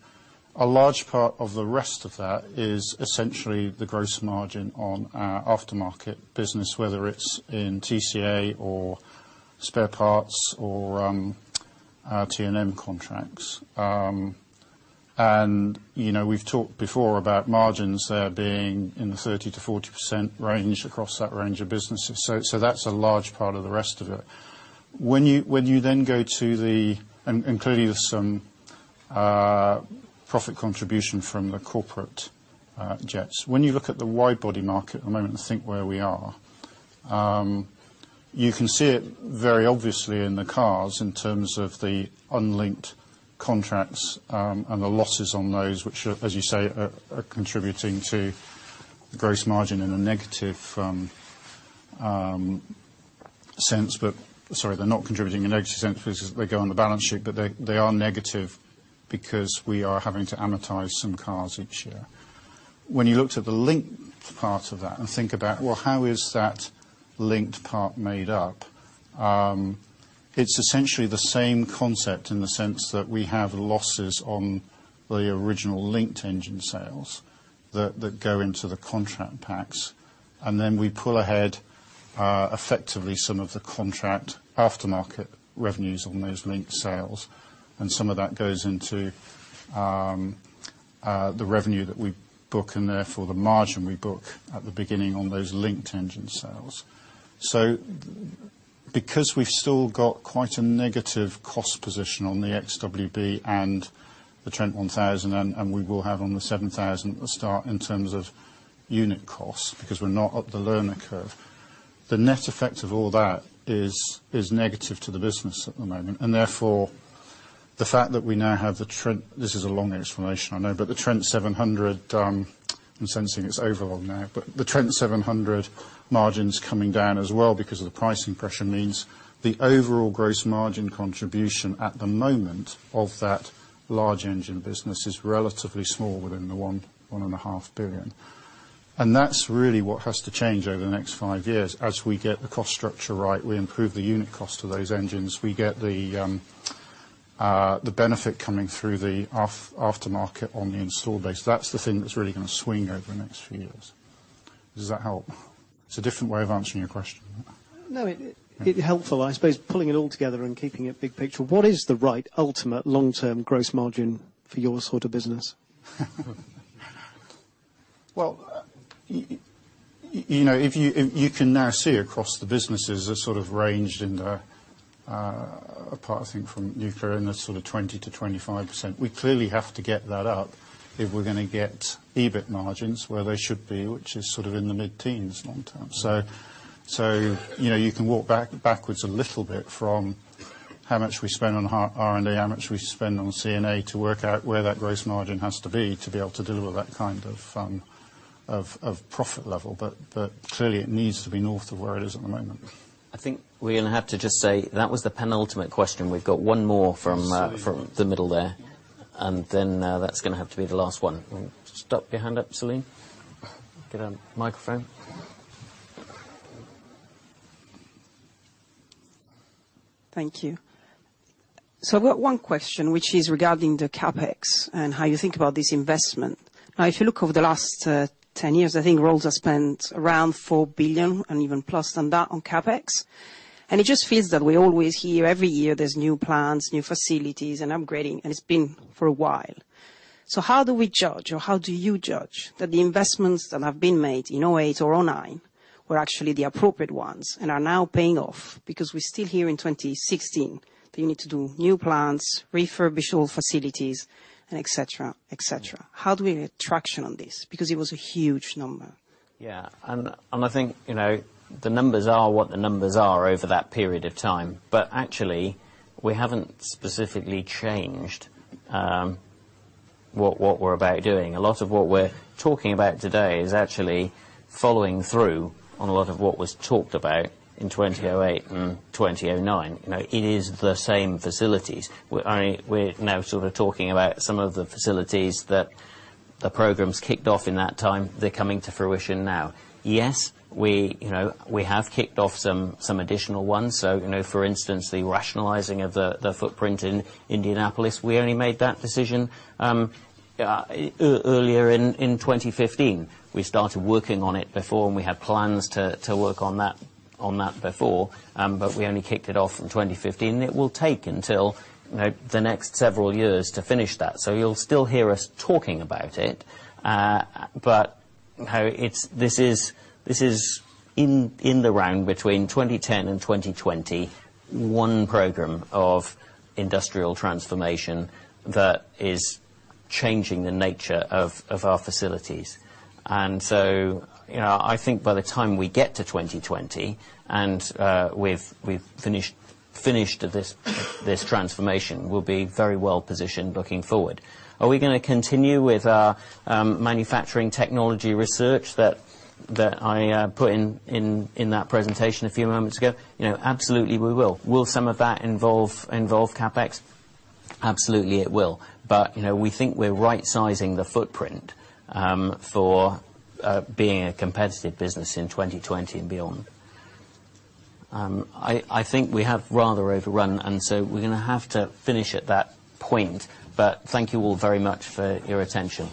A large part of the rest of that is essentially the gross margin on our aftermarket business, whether it's in TCA or spare parts or T&M contracts. We've talked before about margins there being in the 30%-40% range across that range of businesses. That's a large part of the rest of it, including some profit contribution from the corporate jets. You look at the wide-body market at the moment and think where we are, you can see it very obviously in the CARS in terms of the unlinked contracts, and the losses on those, which as you say, are contributing to the gross margin in a negative sense. Sorry, they're not contributing in a negative sense because they go on the balance sheet, they are negative because we are having to amortize some CARS each year. You look to the linked part of that and think about, well, how is that linked part made up? It's essentially the same concept in the sense that we have losses on the original linked engine sales that go into the contract packs. Then we pull ahead, effectively some of the contract aftermarket revenues on those linked sales. Some of that goes into the revenue that we book and therefore the margin we book at the beginning on those linked engine sales. Because we've still got quite a negative cost position on the XWB and the Trent 1000, and we will have on the 7000 at the start in terms of unit costs, because we're not up the learning curve. The net effect of all that is negative to the business at the moment. Therefore, the fact that we now have. This is a long explanation, I know, but the Trent 700, I'm sensing it's over on now. The Trent 700 margin's coming down as well because of the pricing pressure means the overall gross margin contribution at the moment of that large engine business is relatively small within the 1 billion-1.5 billion. That's really what has to change over the next five years. As we get the cost structure right, we improve the unit cost of those engines. We get the benefit coming through the aftermarket on the install base. That's the thing that's really going to swing over the next few years. Does that help? It's a different way of answering your question. No, it's helpful. I suppose pulling it all together and keeping it big picture. What is the right ultimate long-term gross margin for your sort of business? You can now see across the businesses a sort of range in there, apart, I think, from nuclear, in the sort of 20%-25%. We clearly have to get that up if we're going to get EBIT margins where they should be, which is sort of in the mid-teens long-term. You can walk backwards a little bit from how much we spend on R&D, how much we spend on G&A to work out where that gross margin has to be to be able to deliver that kind of profit level. Clearly it needs to be north of where it is at the moment. I think we're going to have to just say that was the penultimate question. We've got one more from. Yes The middle there, then that's going to have to be the last one. Just put up your hand up, Celine. Get a microphone. Thank you. I've got one question, which is regarding the CapEx and how you think about this investment. If you look over the last 10 years, I think Rolls has spent around 4 billion and even plus than that on CapEx. It just feels that we always hear every year there's new plans, new facilities and upgrading, and it's been for a while. How do we judge or how do you judge that the investments that have been made in 2008 or 2009 were actually the appropriate ones and are now paying off? Because we still hear in 2016 that you need to do new plants, refurbish all facilities and et cetera. How do we get traction on this? Because it was a huge number. Yeah. I think the numbers are what the numbers are over that period of time. Actually, we haven't specifically changed what we're about doing. A lot of what we're talking about today is actually following through on a lot of what was talked about in 2008 and 2009. It is the same facilities. We're now sort of talking about some of the facilities that the programs kicked off in that time, they're coming to fruition now. Yes, we have kicked off some additional ones. For instance, the rationalizing of the footprint in Indianapolis, we only made that decision earlier in 2015. We started working on it before, we had plans to work on that before. We only kicked it off in 2015, and it will take until the next several years to finish that. You'll still hear us talking about it. This is in the round between 2010 and 2020, one program of industrial transformation that is changing the nature of our facilities. I think by the time we get to 2020 and we've finished this transformation, we'll be very well positioned looking forward. Are we going to continue with our manufacturing technology research that I put in that presentation a few moments ago? Absolutely, we will. Will some of that involve CapEx? Absolutely, it will. We think we're right-sizing the footprint for being a competitive business in 2020 and beyond. I think we have rather overrun, and so we're going to have to finish at that point. Thank you all very much for your attention